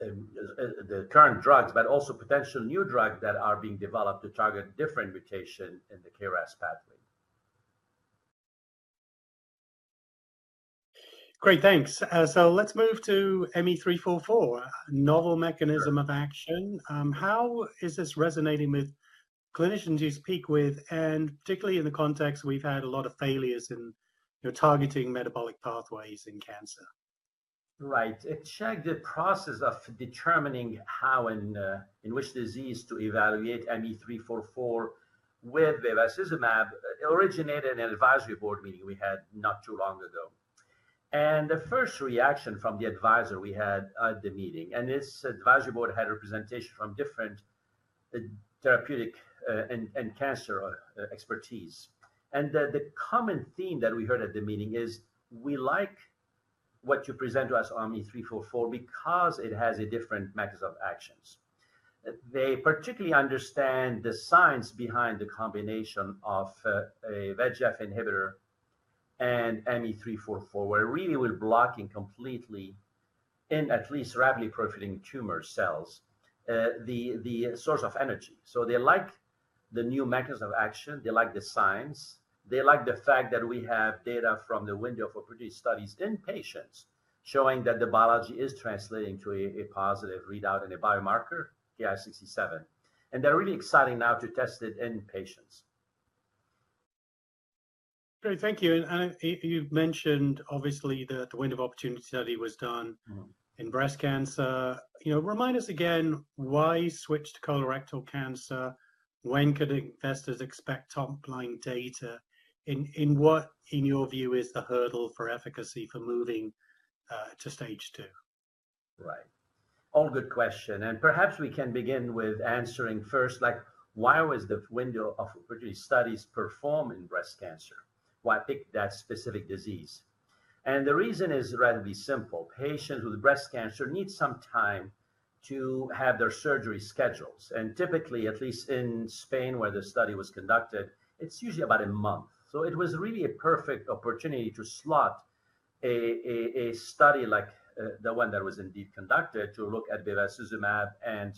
the current drugs, but also potential new drugs that are being developed to target different mutation in the KRAS pathway. Great, thanks. Let's move to ME-344, novel mechanism of action. How is this resonating with clinicians you speak with, and particularly in the context we've had a lot of failures in, you know, targeting metabolic pathways in cancer? Right. Actually, the process of determining how and in which disease to evaluate ME-344 with bevacizumab originated an advisory board meeting we had not too long ago. The first reaction from the advisor we had at the meeting, and this advisory board had representation from different therapeutic and cancer expertise. The common theme that we heard at the meeting is, We like what you present to us on ME-344 because it has a different mechanism of actions. They particularly understand the science behind the combination of a VEGF inhibitor and ME-344, where really we're blocking completely, in at least rapidly proliferating tumor cells, the source of energy. They like the new mechanism of action. They like the science. They like the fact that we have data from the window for produced studies in patients, showing that the biology is translating to a positive readout in a biomarker, Ki-67. They're really exciting now to test it in patients. Great, thank you. You've mentioned, obviously, that the wind of opportunity study was done. Mm-hmm. In breast cancer. You know, remind us again, why switch to colorectal cancer? When could investors expect top-line data? In what, in your view, is the hurdle for efficacy for moving to stage two? Right. All good question, like, why was the window of opportunity studies performed in breast cancer? Why pick that specific disease? The reason is relatively simple. Patients with breast cancer need some time to have their surgery schedules, and typically, at least in Spain, where the study was conducted, it's usually about a month. It was really a perfect opportunity to slot a study like the one that was indeed conducted to look at bevacizumab and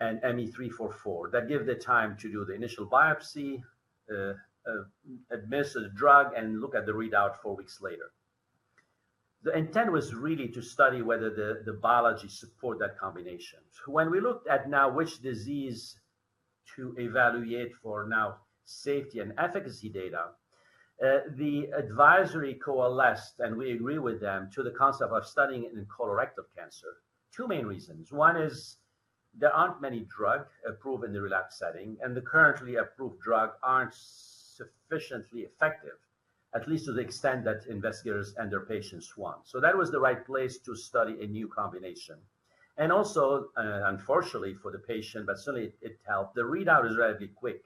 ME-344. That give the time to do the initial biopsy, administer the drug, and look at the readout four weeks later. The intent was really to study whether the biology support that combination. When we looked at now which disease to evaluate for now safety and efficacy data, the advisory coalesced, and we agree with them, to the concept of studying it in colorectal cancer. Two main reasons. One is there aren't many drug approved in the relaxed setting, and the currently approved drug aren't sufficiently effective, at least to the extent that investigators and their patients want. That was the right place to study a new combination. Also, unfortunately for the patient, but certainly it helped, the readout is relatively quick.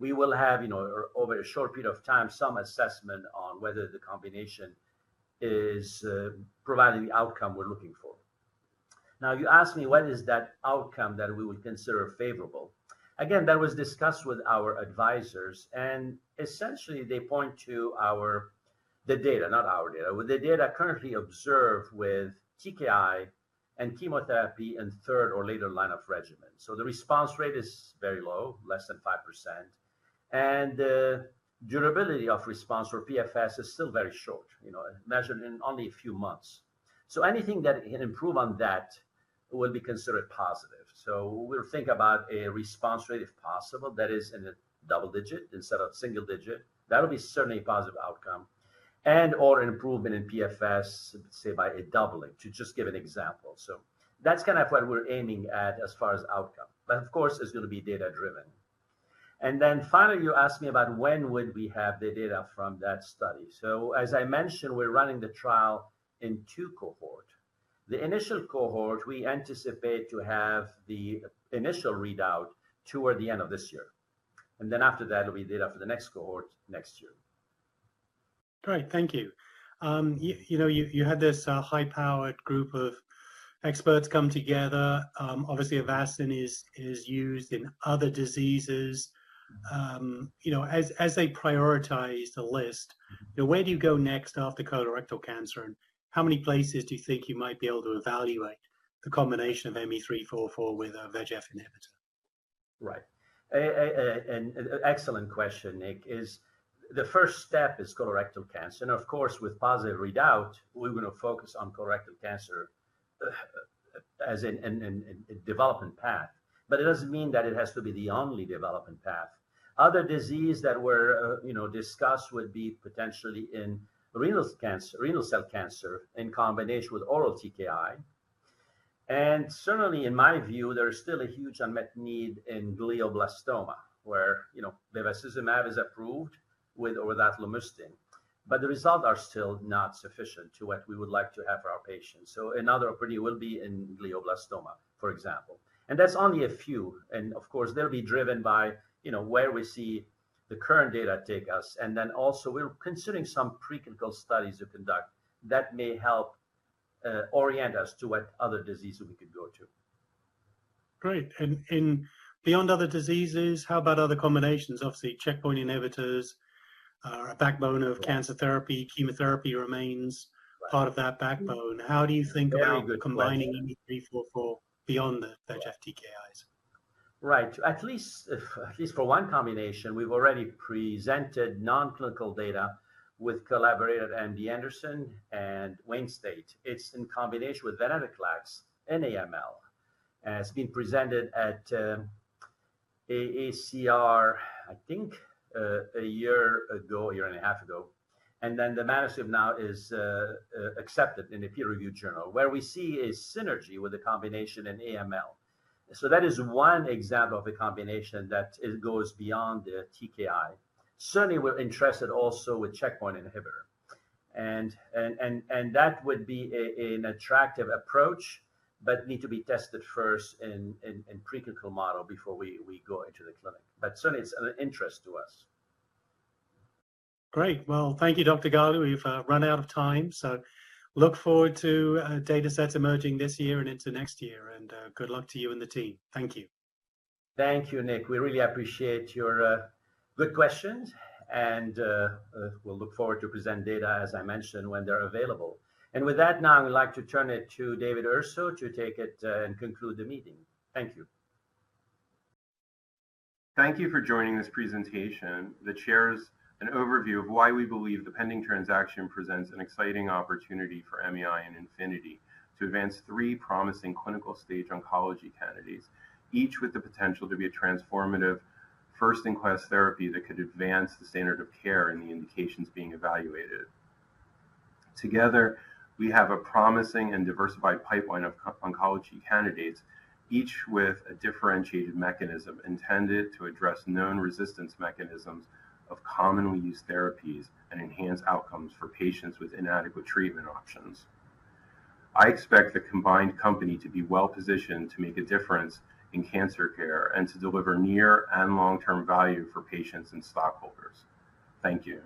We will have, you know, over a short period of time, some assessment on whether the combination is providing the outcome we're looking for. Now, you asked me what is that outcome that we would consider favorable? Again, that was discussed with our advisors, and essentially, they point to the data, not our data. The data currently observed with TKI and chemotherapy in third or later line of regimen. The response rate is very low, less than 5%, and the durability of response or PFS is still very short, you know, measured in only a few months. Anything that can improve on that will be considered positive. We'll think about a response rate, if possible, that is in a double digit instead of single digit. That'll be certainly a positive outcome, and/or an improvement in PFS, say, by doubling, to just give an example. That's kind of what we're aiming at as far as outcome, but of course, it's going to be data-driven. Finally, you asked me about when would we have the data from that study. As I mentioned, we're running the trial in 2 cohort. The initial cohort, we anticipate to have the initial readout toward the end of this year. After that, will be data for the next cohort next year. Great. Thank you. you know, you had this, high-powered group of experts come together. obviously, Avastin is used in other diseases. you know, as they prioritize the list, where do you go next after colorectal cancer, and how many places do you think you might be able to evaluate the combination of ME-344 with a VEGF inhibitor? Right. An excellent question, Nick. Is the first step is colorectal cancer, and of course, with positive readout, we're going to focus on colorectal cancer as in a development path. It doesn't mean that it has to be the only development path. Other disease that were, you know, discussed would be potentially in renal cancer, renal cell cancer, in combination with oral TKI. Certainly, in my view, there is still a huge unmet need in glioblastoma, where, you know, bevacizumab is approved with or without lomustine, but the results are still not sufficient to what we would like to have for our patients. Another opportunity will be in glioblastoma, for example. That's only a few, and of course, they'll be driven by, you know, where we see the current data take us. Also, we're considering some preclinical studies to conduct that may help orient us to what other diseases we could go to. Great. Beyond other diseases, how about other combinations? Obviously, checkpoint inhibitors are a backbone of cancer therapy. Chemotherapy remains part of that backbone. How do you think about combining ME-344 beyond the VEGF TKIs? Right. At least for one combination, we've already presented non-clinical data with collaborator MD Anderson and Wayne State. It's in combination with venetoclax in AML, it's been presented at AACR, I think, one year ago, 1.5 years ago. The manuscript now is accepted in a peer-reviewed journal, where we see a synergy with the combination in AML. That is one example of a combination that it goes beyond the TKI. Certainly, we're interested also with checkpoint inhibitor and that would be an attractive approach, but need to be tested first in preclinical model before we go into the clinic. Certainly, it's an interest to us. Great. Well, thank you, Dr. Ghalie. We've run out of time, so look forward to data sets emerging this year and into next year, and good luck to you and the team. Thank you. Thank you, Nick. We really appreciate your good questions, and we'll look forward to present data, as I mentioned, when they're available. With that, now I would like to turn it to David Urso to take it and conclude the meeting. Thank you. Thank you for joining this presentation that shares an overview of why we believe the pending transaction presents an exciting opportunity for MEI and Infinity to advance three promising clinical stage oncology candidates, each with the potential to be a transformative, first-in-class therapy that could advance the standard of care and the indications being evaluated. Together, we have a promising and diversified pipeline of oncology candidates, each with a differentiated mechanism intended to address known resistance mechanisms of commonly used therapies and enhance outcomes for patients with inadequate treatment options. I expect the combined company to be well-positioned to make a difference in cancer care and to deliver near and long-term value for patients and stockholders. Thank you.